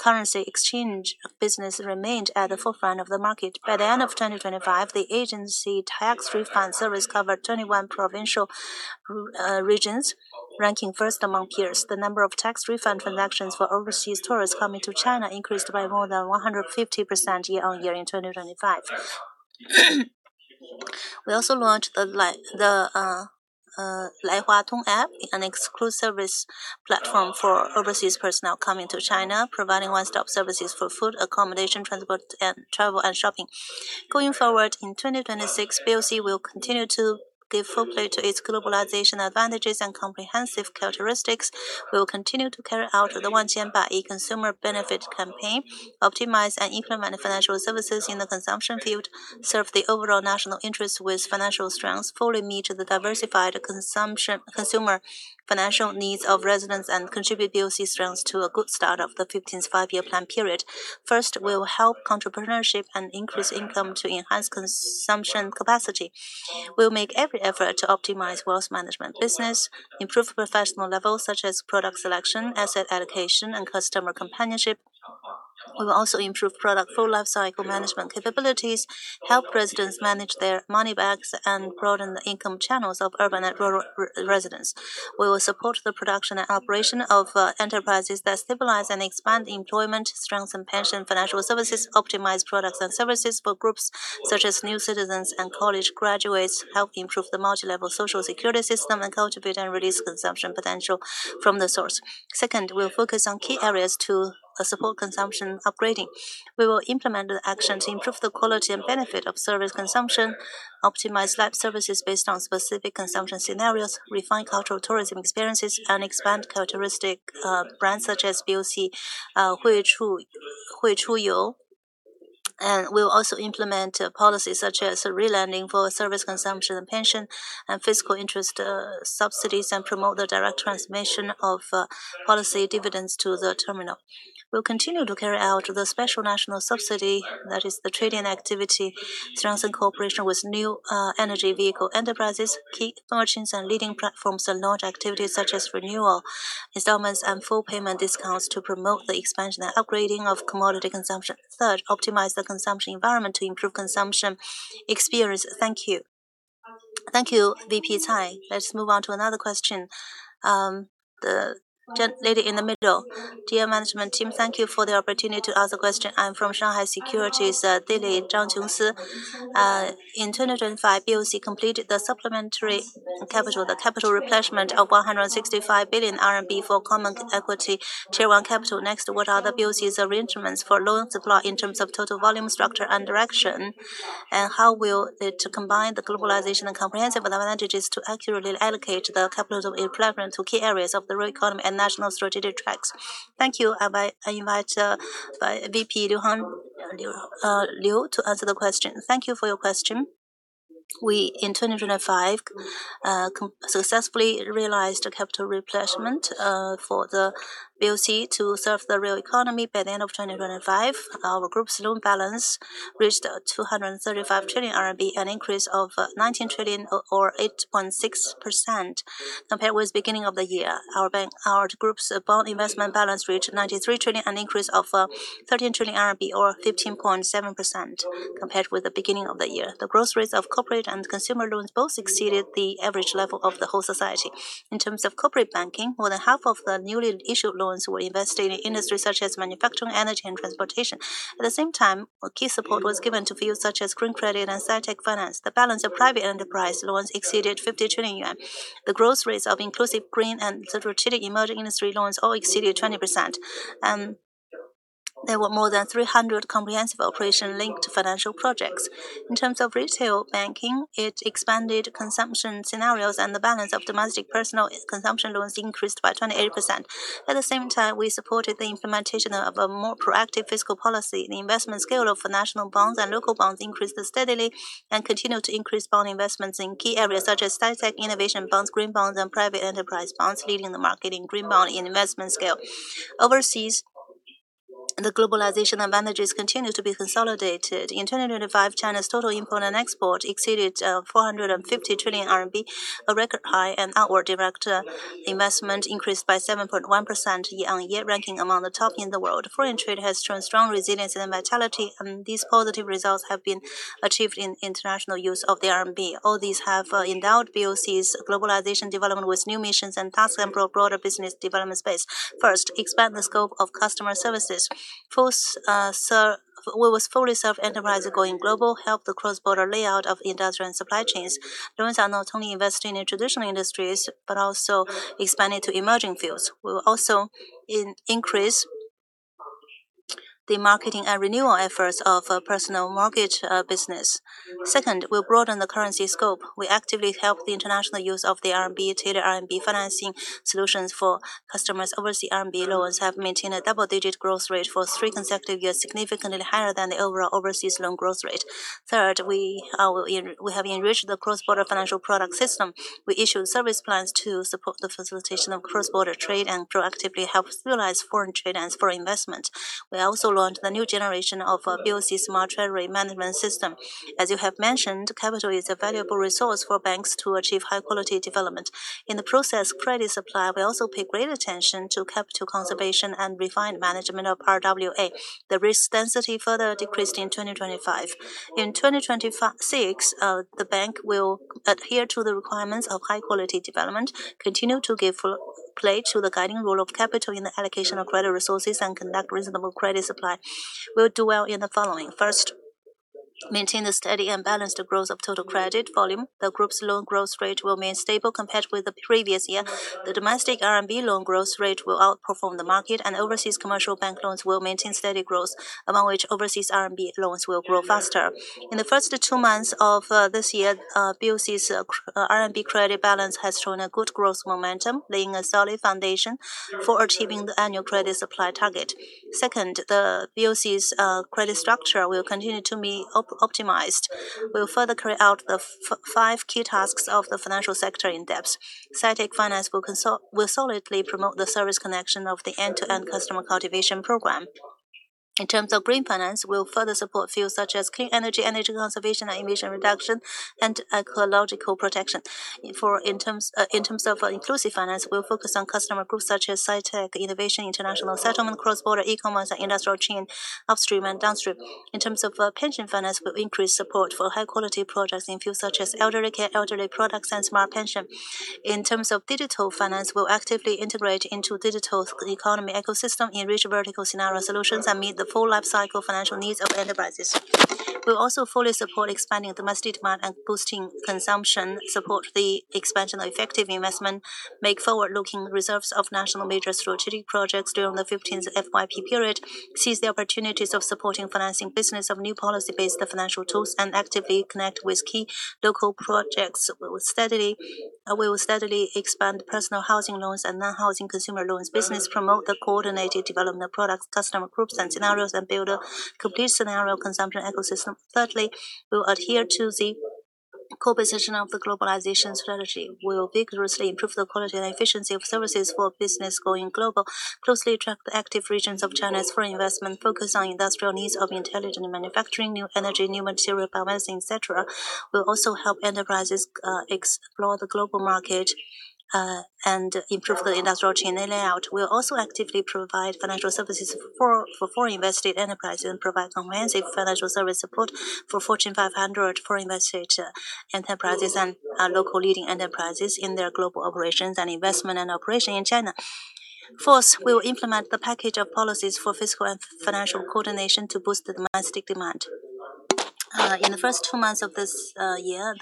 currency exchange business remained at the forefront of the market. By the end of 2025, the agency tax refund service covered 21 provincial regions, ranking first among peers. The number of tax refund transactions for overseas tourists coming to China increased by more than 150% year on year in 2025. We also launched the Laihua Tong app, an exclusive service platform for overseas personnel coming to China, providing one-stop services for food, accommodation, transport, and travel and shopping. Going forward in 2026, BOC will continue to give full play to its globalization advantages and comprehensive characteristics. We will continue to carry out the Wan Qian Bai Yi consumer benefit campaign, optimize and implement financial services in the consumption field, serve the overall national interest with financial strengths, fully meet the diversified consumer financial needs of residents, and contribute BOC strengths to a good start of the 15th Five-Year Plan period. First, we will help entrepreneurship and increase income to enhance consumption capacity. We will make every effort to optimize wealth management business, improve professional levels such as product selection, asset allocation, and customer companionship. We will also improve product full lifecycle management capabilities, help residents manage their money bags, and broaden the income channels of urban and rural residents. We will support the production and operation of enterprises that stabilize and expand employment, strengthen pension financial services, optimize products and services for groups such as new citizens and college graduates, help improve the multilevel social security system, and contribute and release consumption potential from the source. Second, we'll focus on key areas to support consumption upgrading. We will implement an action to improve the quality and benefit of service consumption, optimize labor services based on specific consumption scenarios, refine cultural tourism experiences, and expand characteristic brands such as BOC Hui Chu You. We will also implement policies such as re-lending for service consumption and pension and fiscal interest subsidies and promote the direct transmission of policy dividends to the terminal. We will continue to carry out the special national subsidy, that is the trading activity, strengthen cooperation with new energy vehicle enterprises, key merchants and leading platforms, and launch activities such as renewal installments and full payment discounts to promote the expansion and upgrading of commodity consumption. Third, optimize the consumption environment to improve consumption experience. Thank you. Thank you, VP Cai. Let's move on to another question. The lady in the middle. Dear management team, thank you for the opportunity to ask a question. I'm from Shanghai Securities, Zhang Jingshu. In 2025, BOC completed the supplementary capital, the capital replenishment of 165 billion RMB for common equity Tier 1 capital. Next, what are the BOC's arrangements for loan supply in terms of total volume, structure, and direction? How will it combine the globalization and comprehensive advantages to accurately allocate the capital of a platform to key areas of the real economy and national strategic tracks? Thank you. I invite Executive Vice President Liu Chenggang to answer the question. Thank you for your question. We in 2025 successfully realized a capital replenishment for the BOC to serve the real economy. By the end of 2025, our group's loan balance reached 235 trillion RMB, an increase of 19 trillion or 8.6% compared with beginning of the year. Our group's bond investment balance reached 93 trillion, an increase of 13 trillion RMB or 15.7% compared with the beginning of the year. The growth rates of corporate and consumer loans both exceeded the average level of the whole society. In terms of corporate banking, more than half of the newly issued loans were invested in industries such as manufacturing, energy, and transportation. At the same time, key support was given to fields such as green credit and Sci-Tech finance. The balance of private enterprise loans exceeded 50 trillion yuan. The growth rates of inclusive green and strategic emerging industry loans all exceeded 20%. There were more than 300 comprehensive operation-linked financial projects. In terms of retail banking, it expanded consumption scenarios, and the balance of domestic personal consumption loans increased by 28%. At the same time, we supported the implementation of a more proactive fiscal policy. The investment scale of national bonds and local bonds increased steadily and continued to increase bond investments in key areas such as Sci-Tech innovation bonds, green bonds, and private enterprise bonds, leading the market in green bond in investment scale. Overseas, the globalization advantages continued to be consolidated. In 2025, China's total import and export exceeded 450 trillion RMB, a record high, and outward direct investment increased by 7.1% year-on-year, ranking among the top in the world. Foreign trade has shown strong resilience and vitality, and these positive results have been achieved in international use of the RMB. All these have endowed BOC's globalization development with new missions and tasks and provided broader business development space. First, expand the scope of customer services. We will fully serve enterprises going global, help the cross-border layout of industrial and supply chains. Loans are not only invested in traditional industries but also expanded to emerging fields. We will also increase the marketing and renewal efforts of personal mortgage business. Second, we'll broaden the currency scope. We actively help the international use of the RMB, tailor RMB financing solutions for customers overseas. RMB loans have maintained a double-digit growth rate for three consecutive years, significantly higher than the overall overseas loan growth rate. Third, we have enriched the cross-border financial product system. We issued service plans to support the facilitation of cross-border trade and proactively help utilize foreign trade and foreign investment. We also launched the new generation of BOC's Smart Treasury Management System. As you have mentioned, capital is a valuable resource for banks to achieve high-quality development. In the process credit supply, we also pay great attention to capital conservation and refined management of RWA. The risk density further decreased in 2025. In 2026, the bank will adhere to the requirements of high-quality development, continue to give play to the guiding role of capital in the allocation of credit resources and conduct reasonable credit supply. We will do well in the following. First, maintain a steady and balanced growth of total credit volume. The group's loan growth rate will remain stable compared with the previous year. The domestic RMB loan growth rate will outperform the market and overseas commercial bank loans will maintain steady growth, among which overseas RMB loans will grow faster. In the first two months of this year, BOC's RMB credit balance has shown a good growth momentum, laying a solid foundation for achieving the annual credit supply target. Second, the BOC's credit structure will continue to be optimized. We will further carry out the five key tasks of the financial sector in depth. Sci-Tech finance will solidly promote the service connection of the End-to-End Customer Cultivation Program. In terms of green finance, we will further support fields such as clean energy conservation and emission reduction and ecological protection. In terms of inclusive finance, we'll focus on customer groups such as sci-tech, innovation, international settlement, cross-border e-commerce and industrial chain, upstream and downstream. In terms of pension finance, we'll increase support for high-quality projects in fields such as elderly care, elderly products, and smart pension. In terms of digital finance, we'll actively integrate into digital economy ecosystem, enrich vertical scenario solutions, and meet the full lifecycle financial needs of enterprises. We'll also fully support expanding domestic demand and boosting consumption, support the expansion of effective investment, make forward-looking reserves of national major strategic projects during the 15th FYP period, seize the opportunities of supporting financing business of new policy-based financial tools, and actively connect with key local projects. We will steadily expand personal housing loans and non-housing consumer loans business, promote the coordinated development products, customer groups, and scenarios, and build a complete scenario consumption ecosystem. Thirdly, we will adhere to the core position of the globalization strategy. We will vigorously improve the quality and efficiency of services for business going global, closely attract the active regions of China's foreign investment, focus on industrial needs of intelligent manufacturing, new energy, new material, biomedicine, et cetera. We will also help enterprises explore the global market and improve the industrial chain layout. We will also actively provide financial services for foreign invested enterprises and provide comprehensive financial service support for Fortune 500 foreign invested enterprises and local leading enterprises in their global operations and investment and operation in China. Fourth, we will implement the package of policies for fiscal and financial coordination to boost the domestic demand. In the first two months of this year,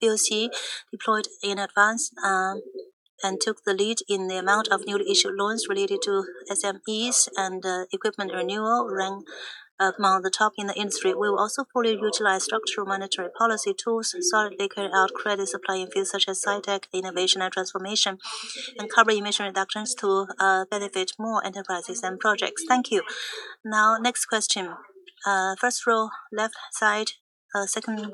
the BOC deployed in advance and took the lead in the amount of newly issued loans related to SMEs and equipment renewal rank among the top in the industry. We will also fully utilize structural monetary policy tools, solidly carry out credit supply in fields such as sci-tech, innovation and transformation, and carbon emission reductions to benefit more enterprises and projects. Thank you. Now, next question. First row, left side, second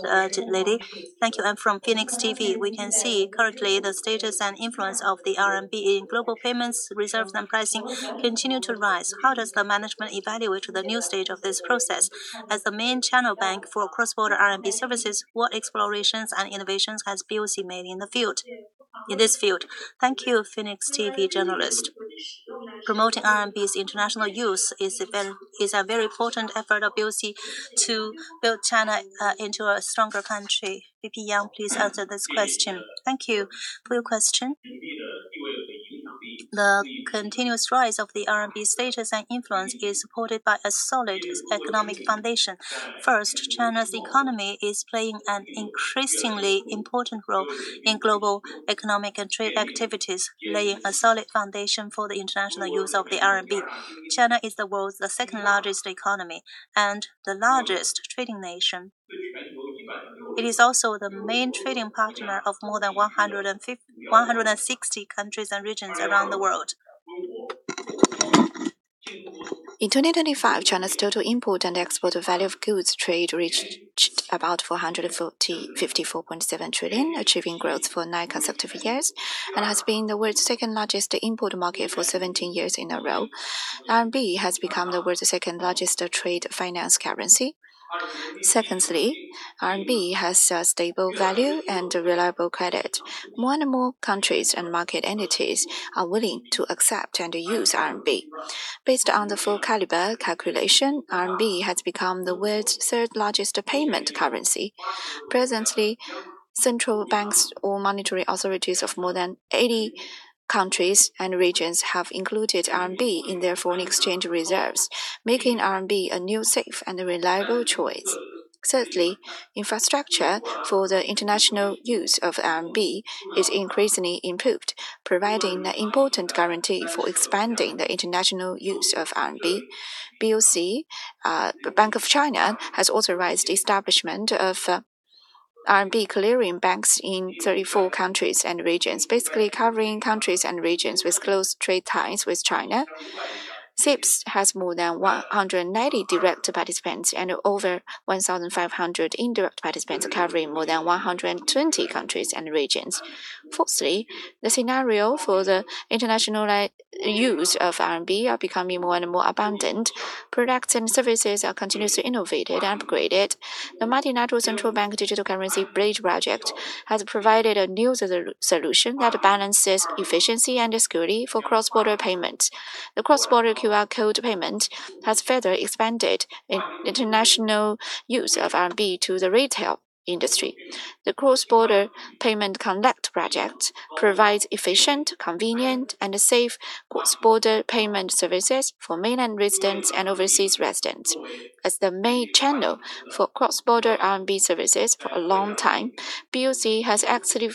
lady. Thank you. I'm from Phoenix TV. We can see currently the status and influence of the RMB in global payments, reserves and pricing continue to rise. How does the management evaluate the new stage of this process? As the main channel bank for cross-border RMB services, what explorations and innovations has BOC made in the field in this field? Thank you, Phoenix TV journalist. Promoting RMB's international use is a very important effort of BOC to build China into a stronger country. VP Yang, please answer this question. Thank you for your question. The continuous rise of the RMB status and influence is supported by a solid economic foundation. First, China's economy is playing an increasingly important role in global economic and trade activities, laying a solid foundation for the international use of the RMB. China is the world's second-largest economy and the largest trading nation. It is also the main trading partner of more than 160 countries and regions around the world. In 2025, China's total import and export value of goods trade reached about 454.7 trillion, achieving growth for nine consecutive years, and has been the world's second-largest import market for 17 years in a row. RMB has become the world's second-largest trade finance currency. Secondly, RMB has a stable value and reliable credit. More and more countries and market entities are willing to accept and use RMB. Based on the full caliber calculation, RMB has become the world's third-largest payment currency. Presently, central banks or monetary authorities of more than 80 countries and regions have included RMB in their foreign exchange reserves, making RMB a new safe and reliable choice. Thirdly, infrastructure for the international use of RMB is increasingly improved, providing an important guarantee for expanding the international use of RMB. BOC, Bank of China, has authorized establishment of RMB clearing banks in 34 countries and regions, basically covering countries and regions with close trade ties with China. CIPS has more than 190 direct participants and over 1,500 indirect participants, covering more than 120 countries and regions. Fourthly, the scenario for the international use of RMB are becoming more and more abundant. Products and services are continuously innovated and upgraded. The Multilateral Central Bank Digital Currency Bridge project has provided a new solution that balances efficiency and security for cross-border payment. The cross-border QR code payment has further expanded international use of RMB to the retail industry. The cross-border payment conduct project provides efficient, convenient, and safe cross-border payment services for mainland residents and overseas residents. As the main channel for cross-border RMB services for a long time, BOC has actively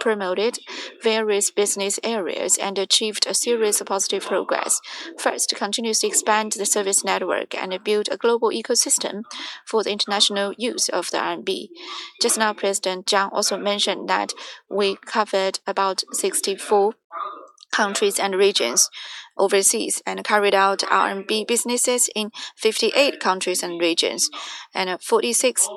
promoted various business areas and achieved a series of positive progress. First, continuously expand the service network and build a global ecosystem for the international use of the RMB. Just now, President Zhang also mentioned that we covered about 64 countries and regions overseas and carried out RMB businesses in 58 countries and regions. 46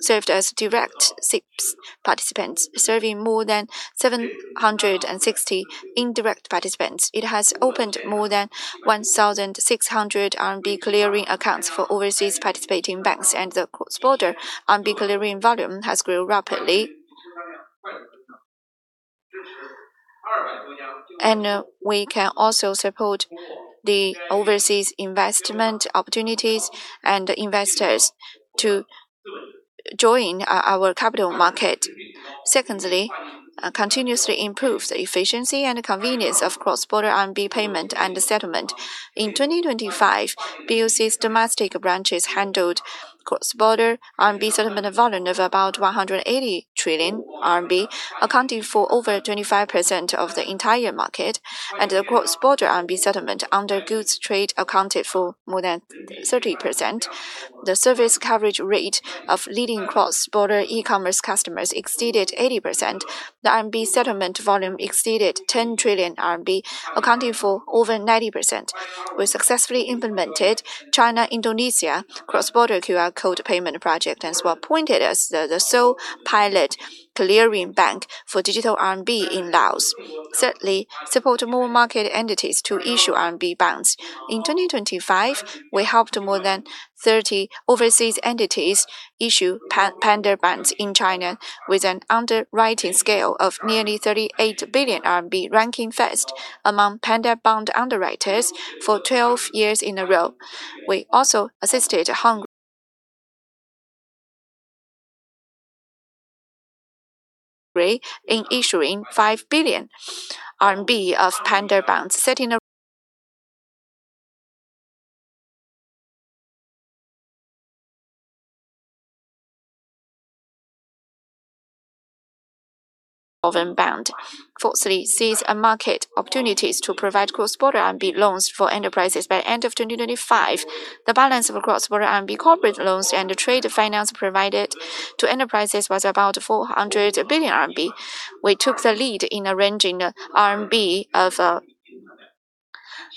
served as direct CIPS participants, serving more than 760 indirect participants. It has opened more than 1,600 RMB clearing accounts for overseas participating banks, and the cross-border RMB clearing volume has grown rapidly. We can also support the overseas investment opportunities and investors to join our capital market. Secondly, continuously improve the efficiency and convenience of cross-border RMB payment and the settlement. In 2025, BOC's domestic branches handled cross-border RMB settlement volume of about 180 trillion RMB, accounting for over 25% of the entire market, and the cross-border RMB settlement under goods trade accounted for more than 30%. The service coverage rate of leading cross-border e-commerce customers exceeded 80%. The RMB settlement volume exceeded 10 trillion RMB, accounting for over 90%. We successfully implemented China-Indonesia cross-border QR code payment project, and was appointed as the sole pilot clearing bank for digital RMB in Laos. Thirdly, support more market entities to issue RMB bonds. In 2025, we helped more than 30 overseas entities issue panda bonds in China with an underwriting scale of nearly 38 billion RMB, ranking first among panda bond underwriters for 12 years in a row. We also assisted Hungary in issuing 5 billion RMB of panda bonds, setting a record. Fourthly, seize on market opportunities to provide cross-border RMB loans for enterprises. By the end of 2025, the balance of cross-border RMB corporate loans and trade finance provided to enterprises was about 400 billion RMB. We took the lead in arranging an RMB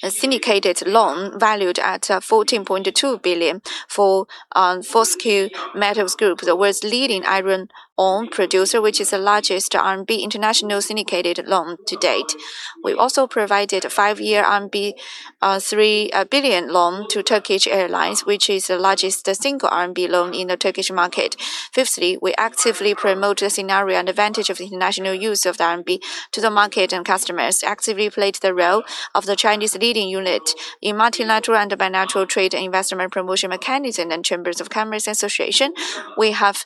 syndicated loan valued at 14.2 billion for Fortescue Metals Group, the world's leading iron ore producer, which is the largest RMB international syndicated loan to date. We also provided a five-year 3 billion loan to Turkish Airlines, which is the largest single RMB loan in the Turkish market. Fifthly, we actively promote the scenario and advantage of the international use of the RMB to the market and customers. Actively played the role of the Chinese leading unit in multilateral and bilateral trade and investment promotion mechanism and chambers of commerce association. We have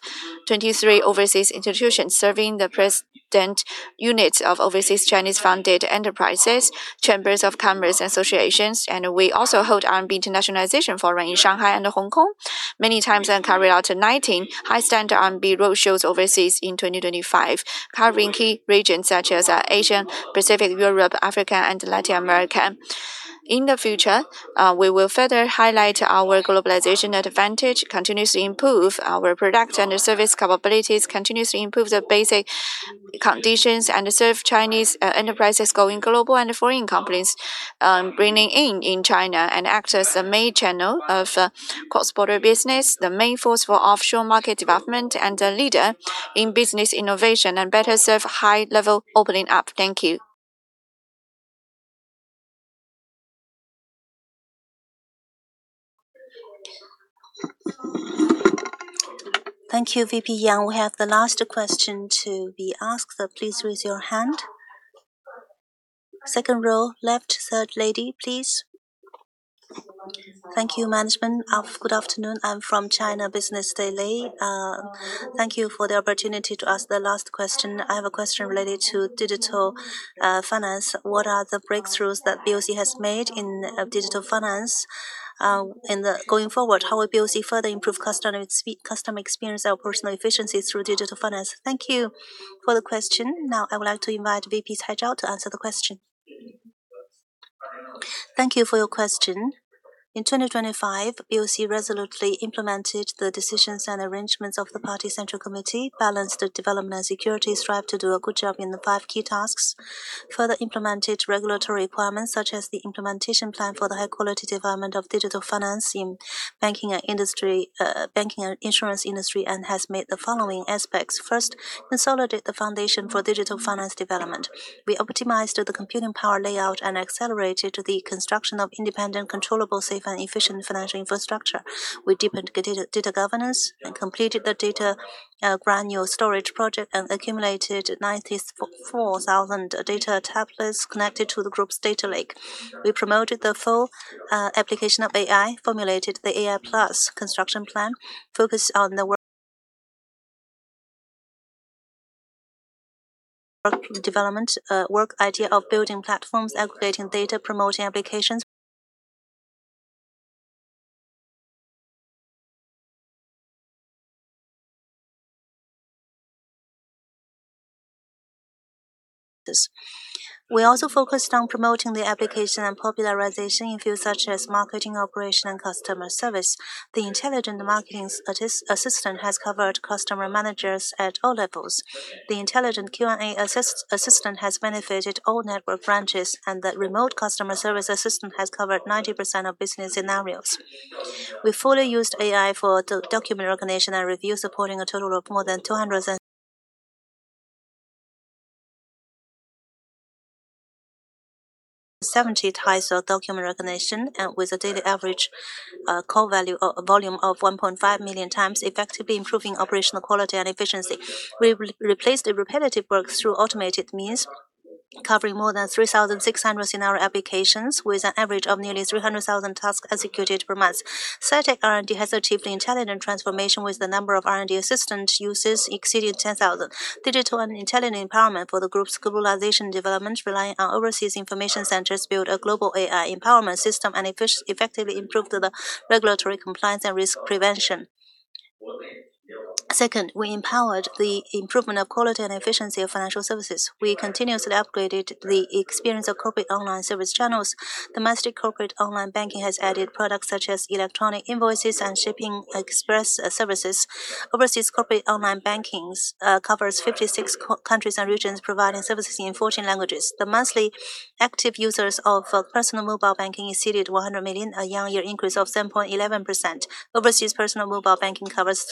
23 overseas institutions serving the present units of overseas Chinese-funded enterprises, chambers of commerce associations, and we also hold RMB internationalization forum in Shanghai and Hong Kong many times and carried out 19 high standard RMB roadshows overseas in 2025, covering key regions such as Asia, Pacific, Europe, Africa, and Latin America. In the future, we will further highlight our globalization advantage, continuously improve our product and service capabilities, continuously improve the basic conditions, and serve Chinese enterprises going global and foreign companies bringing in China, and act as the main channel of cross-border business, the main force for offshore market development, and a leader in business innovation, and better serve high-level opening up. Thank you. Thank you, VP Yang. We have the last question to be asked, so please raise your hand. Second row left, third lady, please. Thank you management. Good afternoon. I'm from China Business Daily. Thank you for the opportunity to ask the last question. I have a question related to digital finance. What are the breakthroughs that BOC has made in digital finance? And going forward, how will BOC further improve customer experience or personal efficiency through digital finance? Thank you for the question. Now I would like to invite VP Cai Zhao to answer the question. Thank you for your question. In 2025, BOC resolutely implemented the decisions and arrangements of the Party Central Committee, balanced the development security, strived to do a good job in the five key tasks, further implemented regulatory requirements such as the implementation plan for the high-quality development of digital finance in banking and insurance industry, and has made the following aspects. First, consolidate the foundation for digital finance development. We optimized the computing power layout and accelerated the construction of independent, controllable, safe and efficient financial infrastructure. We deepened Co-Data, Data Governance and completed the data brand-new storage project and accumulated 94,000 data tablets connected to the group's data lake. We promoted the full application of AI, formulated the AI+ construction plan, focused on the work idea of building platforms, aggregating data, promoting applications. We also focused on promoting the application and popularization in fields such as marketing, operation and customer service. The intelligent marketing assistant has covered customer managers at all levels. The intelligent Q&A assistant has benefited all network branches, and the remote customer service assistant has covered 90% of business scenarios. We fully used AI for document recognition and review, supporting a total of more than 270 types of document recognition and with a daily average call volume of 1.5 million times, effectively improving operational quality and efficiency. We replaced the repetitive work through automated means, covering more than 3,600 scenario applications with an average of nearly 300,000 tasks executed per month. CICC R&D has achieved intelligent transformation with the number of R&D assistant users exceeding 10,000. Digital and intelligent empowerment for the group's globalization development, relying on overseas information centers, built a global AI empowerment system and effectively improved the regulatory compliance and risk prevention. Second, we empowered the improvement of quality and efficiency of financial services. We continuously upgraded the experience of corporate online service channels. Domestic corporate online banking has added products such as electronic invoices and shipping express services. Overseas corporate online banking covers 56 countries and regions providing services in 14 languages. The monthly active users of personal mobile banking exceeded 100 million, a year-on-year increase of 7.11%. Overseas personal mobile banking covers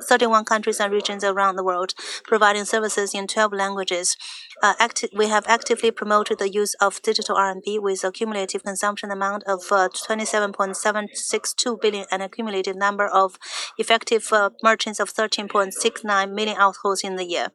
31 countries and regions around the world, providing services in 12 languages. We have actively promoted the use of digital RMB with accumulative consumption amount of 27.762 billion and accumulated number of effective merchants of 13.69 million households in the year.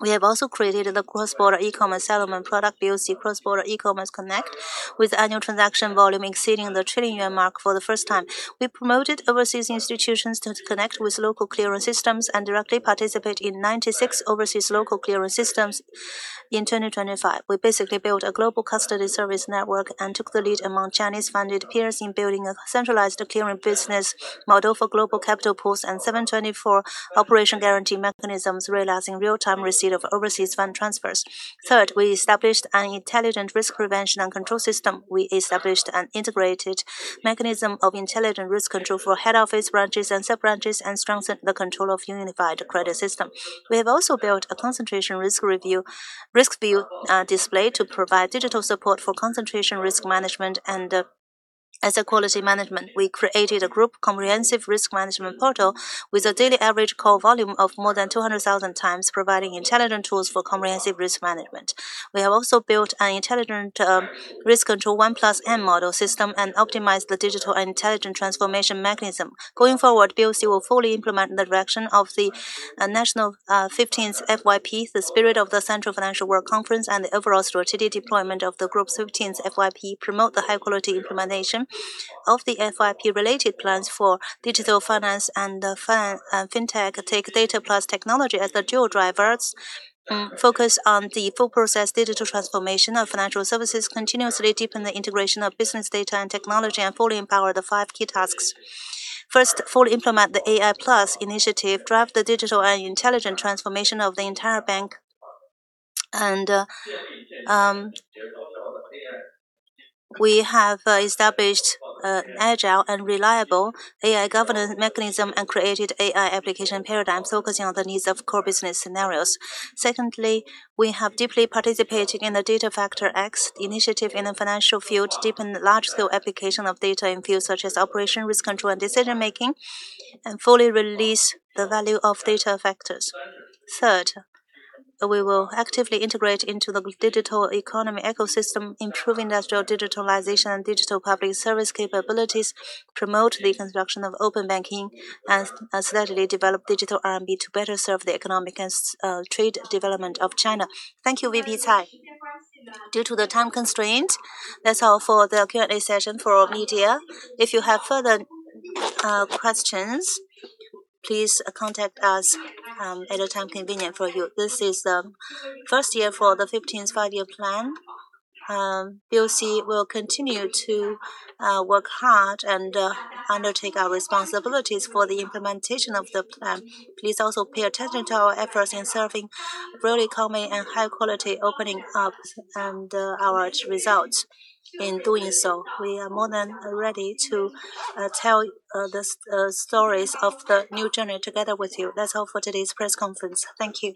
We have also created the cross-border e-commerce settlement product, BOC Cross-border E-Commerce Connect, with annual transaction volume exceeding the 1 trillion yuan mark for the first time. We promoted overseas institutions to connect with local clearance systems and directly participate in 96 overseas local clearance systems in 2025. We basically built a global custody service network and took the lead among Chinese-funded peers in building a centralized clearance business model for global capital pools and 7×24 operation guarantee mechanisms, realizing real-time receipt of overseas fund transfers. Third, we established an intelligent risk prevention and control system. We established an integrated mechanism of intelligent risk control for head office branches and sub-branches and strengthened the control of unified credit system. We have also built a concentration risk review, risk view, display to provide digital support for concentration risk management and asset quality management. We created a group comprehensive risk management portal with a daily average call volume of more than 200,000 times, providing intelligent tools for comprehensive risk management. We have also built an intelligent risk control 1 + N model system and optimized the digital and intelligent transformation mechanism. Going forward, BOC will fully implement the direction of the national 15th FYP, the spirit of the Central Financial Work Conference, and the overall strategic deployment of the group's 15th FYP, promote the high-quality implementation of the FYP-related plans for digital finance and fintech. Take data plus technology as the dual drivers, focus on the full-process digital transformation of financial services, continuously deepen the integration of business data and technology, and fully empower the five key tasks. First, fully implement the AI+ initiative, drive the digital and intelligent transformation of the entire bank. We have established agile and reliable AI governance mechanism and created AI application paradigms focusing on the needs of core business scenarios. Secondly, we have deeply participated in the Data Factor × initiative in the financial field, deepened large-scale application of data in fields such as operation, risk control and decision-making, and fully released the value of data factors. Third, we will actively integrate into the digital economy ecosystem, improve industrial digitalization and digital public service capabilities, promote the construction of open banking, and steadily develop digital RMB to better serve the economic and trade development of China. Thank you, Vice President Cai Zhao. Due to the time constraint, that's all for the Q&A session for our media. If you have further questions, please contact us at a time convenient for you. This is the first year for the 15th Five-Year Plan. BOC will continue to work hard and undertake our responsibilities for the implementation of the plan. Please also pay attention to our efforts in serving the broader economy and high-quality opening up and our results. In doing so, we are more than ready to tell the stories of the new journey together with you. That's all for today's press conference. Thank you.